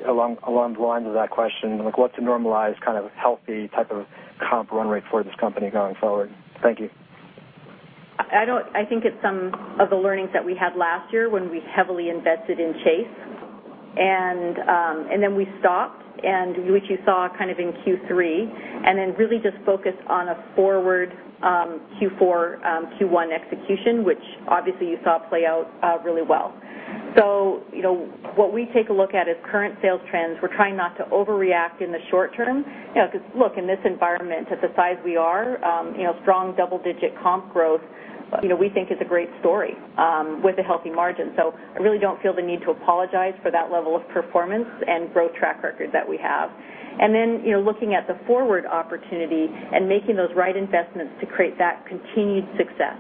Speaker 16: along the lines of that question, what's a normalized, healthy type of comp run rate for this company going forward? Thank you.
Speaker 3: I think it's some of the learnings that we had last year when we heavily invested in chase. Then we stopped, which you saw in Q3, and then really just focused on a forward Q4, Q1 execution, which obviously you saw play out really well. What we take a look at is current sales trends. We're trying not to overreact in the short term. Look, in this environment, at the size we are, strong double-digit comp growth, we think is a great story with a healthy margin. I really don't feel the need to apologize for that level of performance and growth track record that we have. Then, looking at the forward opportunity and making those right investments to create that continued success.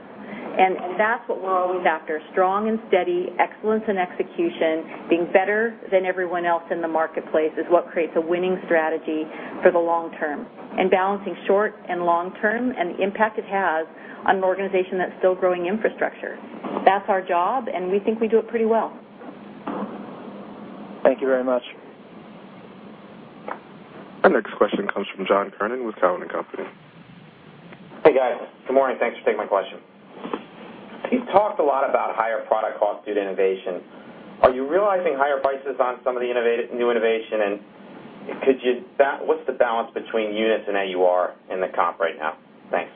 Speaker 3: That's what we're always after, strong and steady excellence in execution, being better than everyone else in the marketplace is what creates a winning strategy for the long term. Balancing short and long term and the impact it has on an organization that's still growing infrastructure. That's our job, and we think we do it pretty well.
Speaker 16: Thank you very much.
Speaker 1: Our next question comes from John Kernan with Cowen and Company.
Speaker 17: Hey, guys. Good morning. Thanks for taking my question. You've talked a lot about higher product costs due to innovation. Are you realizing higher prices on some of the new innovation, and what's the balance between units and AUR in the comp right now? Thanks.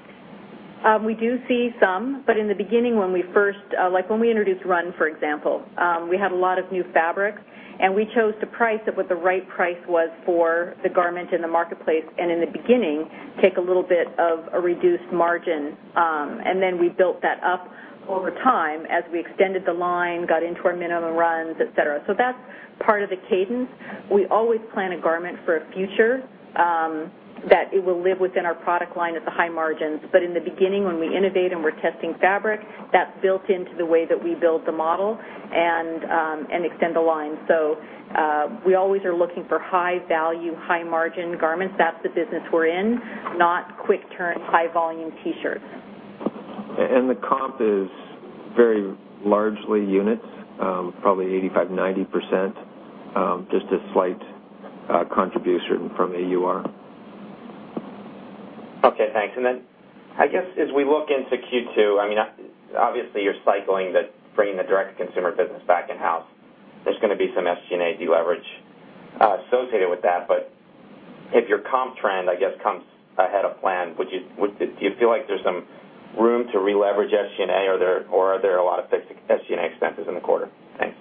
Speaker 3: We do see some, but in the beginning when we first Like when we introduced Run, for example. We had a lot of new fabrics, and we chose to price it what the right price was for the garment in the marketplace, and in the beginning, take a little bit of a reduced margin. Then we built that up over time as we extended the line, got into our minimum runs, et cetera. That's part of the cadence. We always plan a garment for a future, that it will live within our product line at the high margins. In the beginning, when we innovate and we're testing fabric, that's built into the way that we build the model and extend the line. We always are looking for high value, high margin garments. That's the business we're in, not quick turn, high volume T-shirts.
Speaker 4: The comp is very largely units, probably 85%, 90%, just a slight contribution from AUR.
Speaker 17: Okay, thanks. I guess as we look into Q2, obviously you're cycling bringing the direct consumer business back in-house. There's going to be some SG&A deleverage associated with that. If your comp trend, I guess, comes ahead of plan, do you feel like there's some room to releverage SG&A, or are there a lot of fixed SG&A expenses in the quarter? Thanks.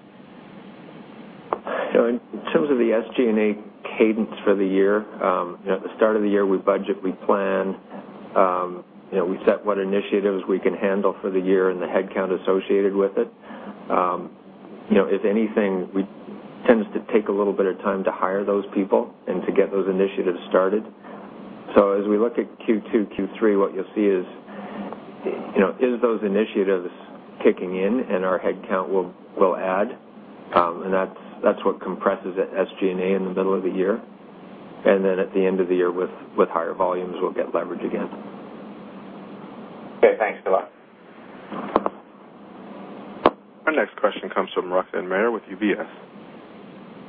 Speaker 4: In terms of the SG&A cadence for the year, at the start of the year, we budget, we plan, we set what initiatives we can handle for the year and the headcount associated with it. If anything, it tends to take a little bit of time to hire those people and to get those initiatives started. As we look at Q2, Q3, what you'll see is those initiatives kicking in and our headcount will add, and that's what compresses the SG&A in the middle of the year. At the end of the year with higher volumes, we'll get leverage again.
Speaker 17: Okay, thanks a lot.
Speaker 1: Our next question comes from Roxanne Meyer with UBS.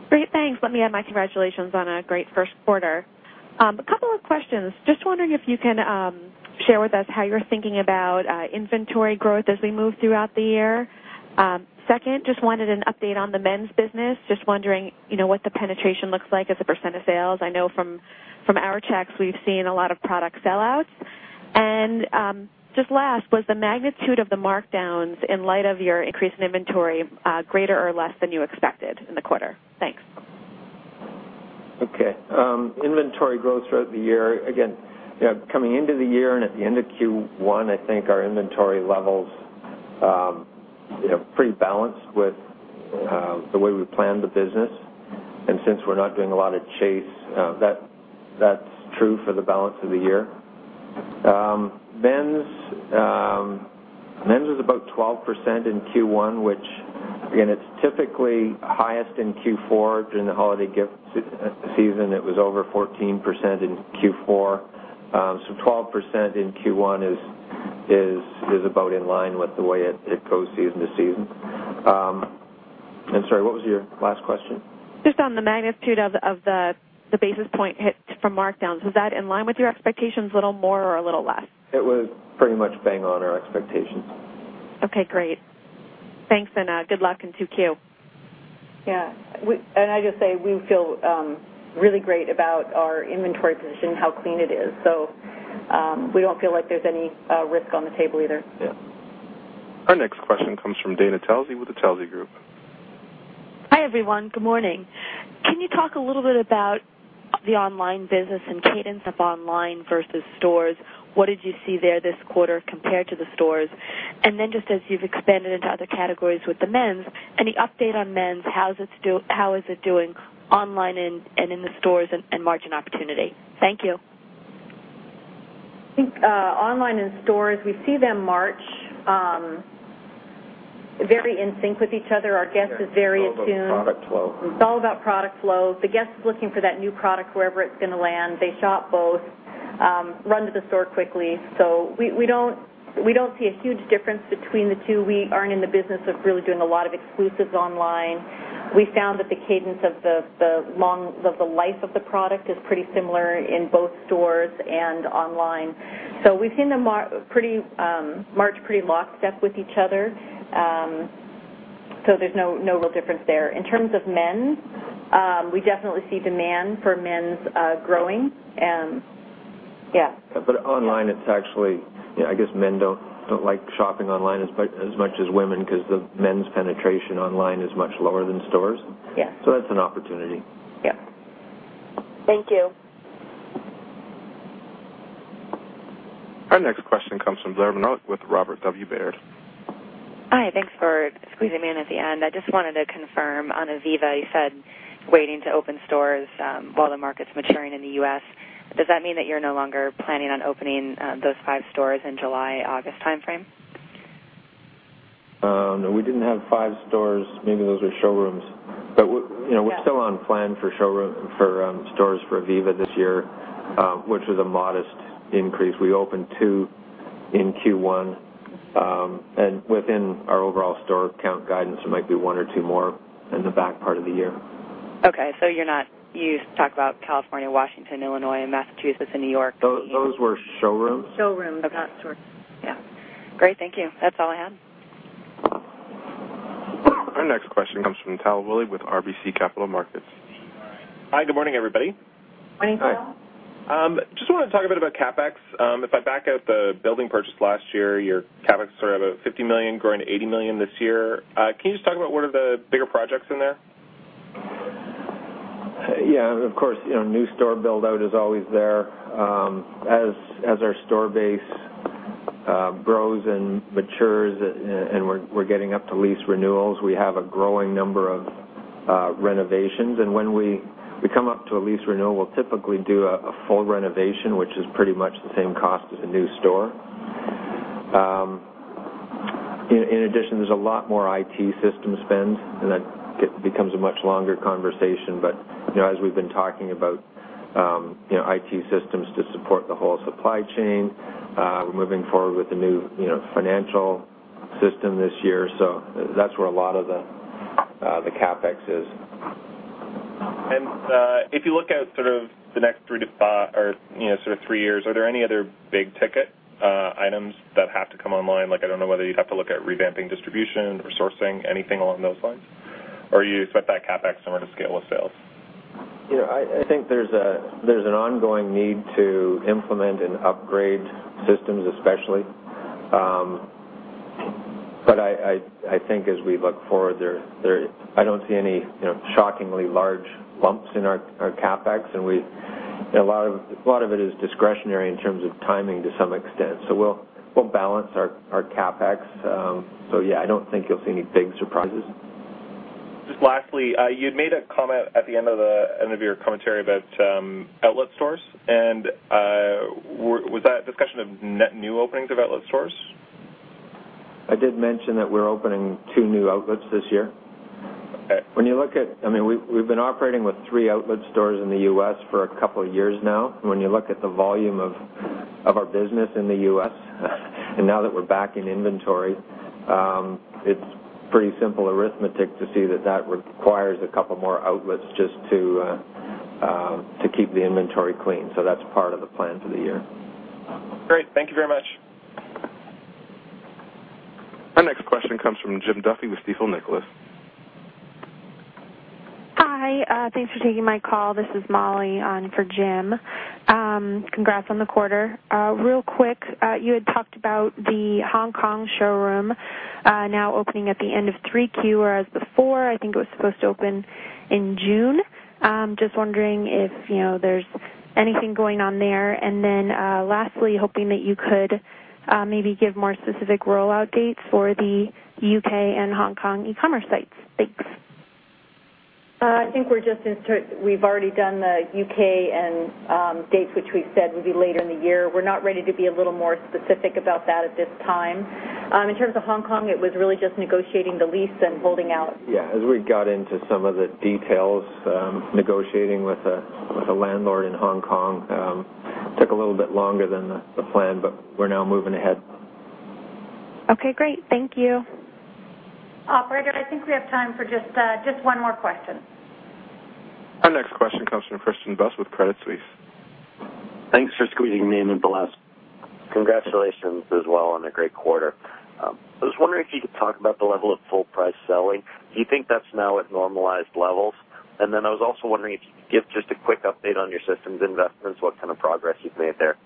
Speaker 18: Great. Thanks. Let me add my congratulations on a great first quarter. A couple of questions. Just wondering if you can share with us how you're thinking about inventory growth as we move throughout the year. Second, just wanted an update on the men's business. Just wondering what the penetration looks like as a % of sales. I know from our checks, we've seen a lot of product sellouts. Just last, was the magnitude of the markdowns in light of your increase in inventory greater or less than you expected in the quarter? Thanks.
Speaker 4: Okay. Inventory growth throughout the year. Again, coming into the year and at the end of Q1, I think our inventory levels pretty balanced with the way we planned the business. Since we're not doing a lot of chase, that's true for the balance of the year. Men's was about 12% in Q1, which again, it's typically highest in Q4 during the holiday gift season. It was over 14% in Q4. 12% in Q1 is about in line with the way it goes season to season. Sorry, what was your last question?
Speaker 18: Just on the magnitude of the basis point hit from markdowns. Was that in line with your expectations, a little more or a little less?
Speaker 4: It was pretty much bang on our expectations.
Speaker 18: Okay, great. Thanks, good luck in 2Q.
Speaker 3: Yeah. I just say we feel really great about our inventory position, how clean it is. We don't feel like there's any risk on the table either.
Speaker 4: Yeah.
Speaker 1: Our next question comes from Dana Telsey with the Telsey Group.
Speaker 19: Hi, everyone. Good morning. Can you talk a little bit about the online business and cadence of online versus stores? What did you see there this quarter compared to the stores? Just as you've expanded into other categories with the men's, any update on men's, how is it doing online and in the stores and margin opportunity? Thank you.
Speaker 3: I think online and stores, we see them march very in sync with each other. Our guest is very attuned.
Speaker 4: It's all about product flow.
Speaker 3: It's all about product flow. The guest is looking for that new product wherever it's going to land. They shop both, run to the store quickly. We don't see a huge difference between the two. We aren't in the business of really doing a lot of exclusives online. We found that the cadence of the life of the product is pretty similar in both stores and online. We've seen them march pretty lockstep with each other. There's no real difference there. In terms of men's, we definitely see demand for men's growing.
Speaker 4: online, it's actually, I guess men don't like shopping online as much as women, because the men's penetration online is much lower than stores.
Speaker 3: Yeah.
Speaker 4: That's an opportunity.
Speaker 3: Yeah.
Speaker 19: Thank you.
Speaker 1: Our next question comes from Zoë Baird with Robert W. Baird.
Speaker 20: Hi. Thanks for squeezing me in at the end. I just wanted to confirm on ivivva, you said waiting to open stores while the market's maturing in the U.S. Does that mean that you're no longer planning on opening those five stores in July, August timeframe?
Speaker 4: No, we didn't have five stores. Maybe those are showrooms.
Speaker 20: Yeah
Speaker 4: still on plan for stores for ivivva this year, which is a modest increase. We opened two in Q1. Within our overall store count guidance, it might be one or two more in the back part of the year.
Speaker 20: Okay, you used to talk about California, Washington, Illinois, Massachusetts, and New York.
Speaker 4: Those were showrooms.
Speaker 3: Showrooms, not stores.
Speaker 20: Okay. Yeah. Great. Thank you. That's all I had.
Speaker 1: Our next question comes from Tal Woolley with RBC Capital Markets.
Speaker 21: Hi, good morning, everybody.
Speaker 3: Morning, Tal.
Speaker 4: Hi.
Speaker 21: Just want to talk a bit about CapEx. If I back out the building purchase last year, your CapEx are about $50 million, growing to $80 million this year. Can you just talk about what are the bigger projects in there?
Speaker 4: Yeah, of course. New store build-out is always there. As our store base grows and matures and we're getting up to lease renewals, we have a growing number of renovations. When we come up to a lease renewal, typically do a full renovation, which is pretty much the same cost as a new store. In addition, there's a lot more IT system spend. That becomes a much longer conversation. As we've been talking about IT systems to support the whole supply chain, we're moving forward with the new financial system this year. That's where a lot of the CapEx is.
Speaker 21: If you look at sort of three years, are there any other big-ticket items that have to come online? I don't know whether you'd have to look at revamping distribution or sourcing, anything along those lines, or you set that CapEx more to scale with sales?
Speaker 4: I think there's an ongoing need to implement and upgrade systems, especially. I think as we look forward, I don't see any shockingly large bumps in our CapEx. A lot of it is discretionary in terms of timing to some extent. We'll balance our CapEx. Yeah, I don't think you'll see any big surprises.
Speaker 21: Just lastly, you'd made a comment at the end of your commentary about outlet stores. Was that a discussion of net new openings of outlet stores?
Speaker 4: I did mention that we're opening two new outlets this year.
Speaker 21: Okay.
Speaker 4: We've been operating with three outlet stores in the U.S. for a couple of years now. When you look at the volume of our business in the U.S., and now that we're back in inventory, it's pretty simple arithmetic to see that that requires a couple more outlets just to keep the inventory clean. That's part of the plan for the year.
Speaker 21: Great. Thank you very much.
Speaker 1: Our next question comes from Jim Duffy with Stifel Nicolaus.
Speaker 22: Hi. Thanks for taking my call. This is Molly on for Jim. Congrats on the quarter. Real quick, you had talked about the Hong Kong showroom now opening at the end of 3Q, whereas before, I think it was supposed to open in June. Just wondering if there's anything going on there. Lastly, hoping that you could maybe give more specific rollout dates for the U.K. and Hong Kong e-commerce sites. Thanks.
Speaker 3: I think we've already done the U.K. and dates which we've said would be later in the year. We're not ready to be a little more specific about that at this time. In terms of Hong Kong, it was really just negotiating the lease and holding out.
Speaker 4: Yeah, as we got into some of the details, negotiating with a landlord in Hong Kong took a little bit longer than the plan, but we're now moving ahead.
Speaker 22: Okay, great. Thank you.
Speaker 3: Operator, I think we have time for just one more question.
Speaker 1: Our next question comes from Christian Buss with Credit Suisse.
Speaker 23: Thanks for squeezing me in at the last. Congratulations as well on a great quarter. I was wondering if you could talk about the level of full price selling. Do you think that's now at normalized levels? I was also wondering if you could give just a quick update on your systems investments, what kind of progress you've made there.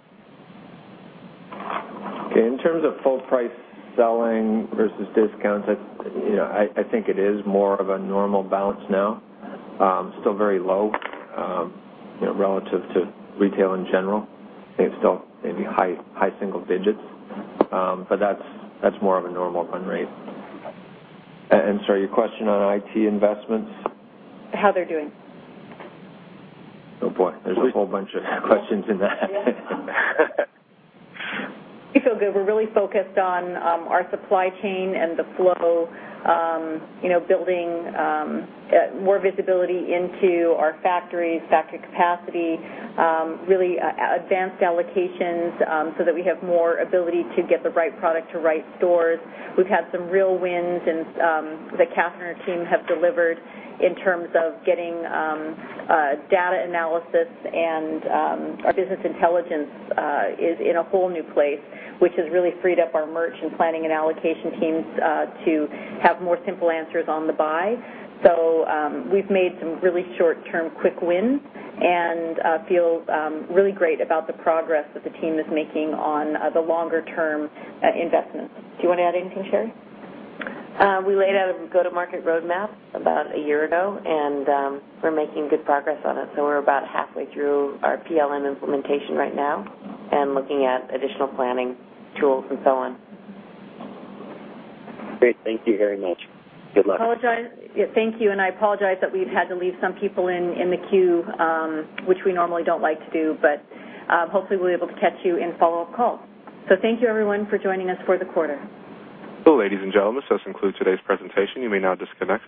Speaker 4: Okay, in terms of full price selling versus discounts, I think it is more of a normal balance now. Still very low relative to retail in general. It's still maybe high single digits. That's more of a normal run rate. Sorry, your question on IT investments?
Speaker 23: How they're doing.
Speaker 4: Oh, boy. There's a whole bunch of questions in that.
Speaker 3: We feel good. We're really focused on our supply chain and the flow, building more visibility into our factories, factory capacity, really advanced allocations so that we have more ability to get the right product to right stores. We've had some real wins and the Catherine team have delivered in terms of getting data analysis and our business intelligence is in a whole new place, which has really freed up our merch and planning and allocation teams to have more simple answers on the buy. We've made some really short-term quick wins and feel really great about the progress that the team is making on the longer-term investments. Do you want to add anything, Sheree?
Speaker 5: We laid out a go-to-market roadmap about a year ago, and we're making good progress on it. We're about halfway through our PLM implementation right now and looking at additional planning tools and so on.
Speaker 23: Great. Thank you very much. Good luck.
Speaker 3: Thank you, and I apologize that we've had to leave some people in the queue, which we normally don't like to do, but hopefully we'll be able to catch you in follow-up calls. Thank you, everyone, for joining us for the quarter.
Speaker 1: Ladies and gentlemen, this does conclude today's presentation. You may now disconnect.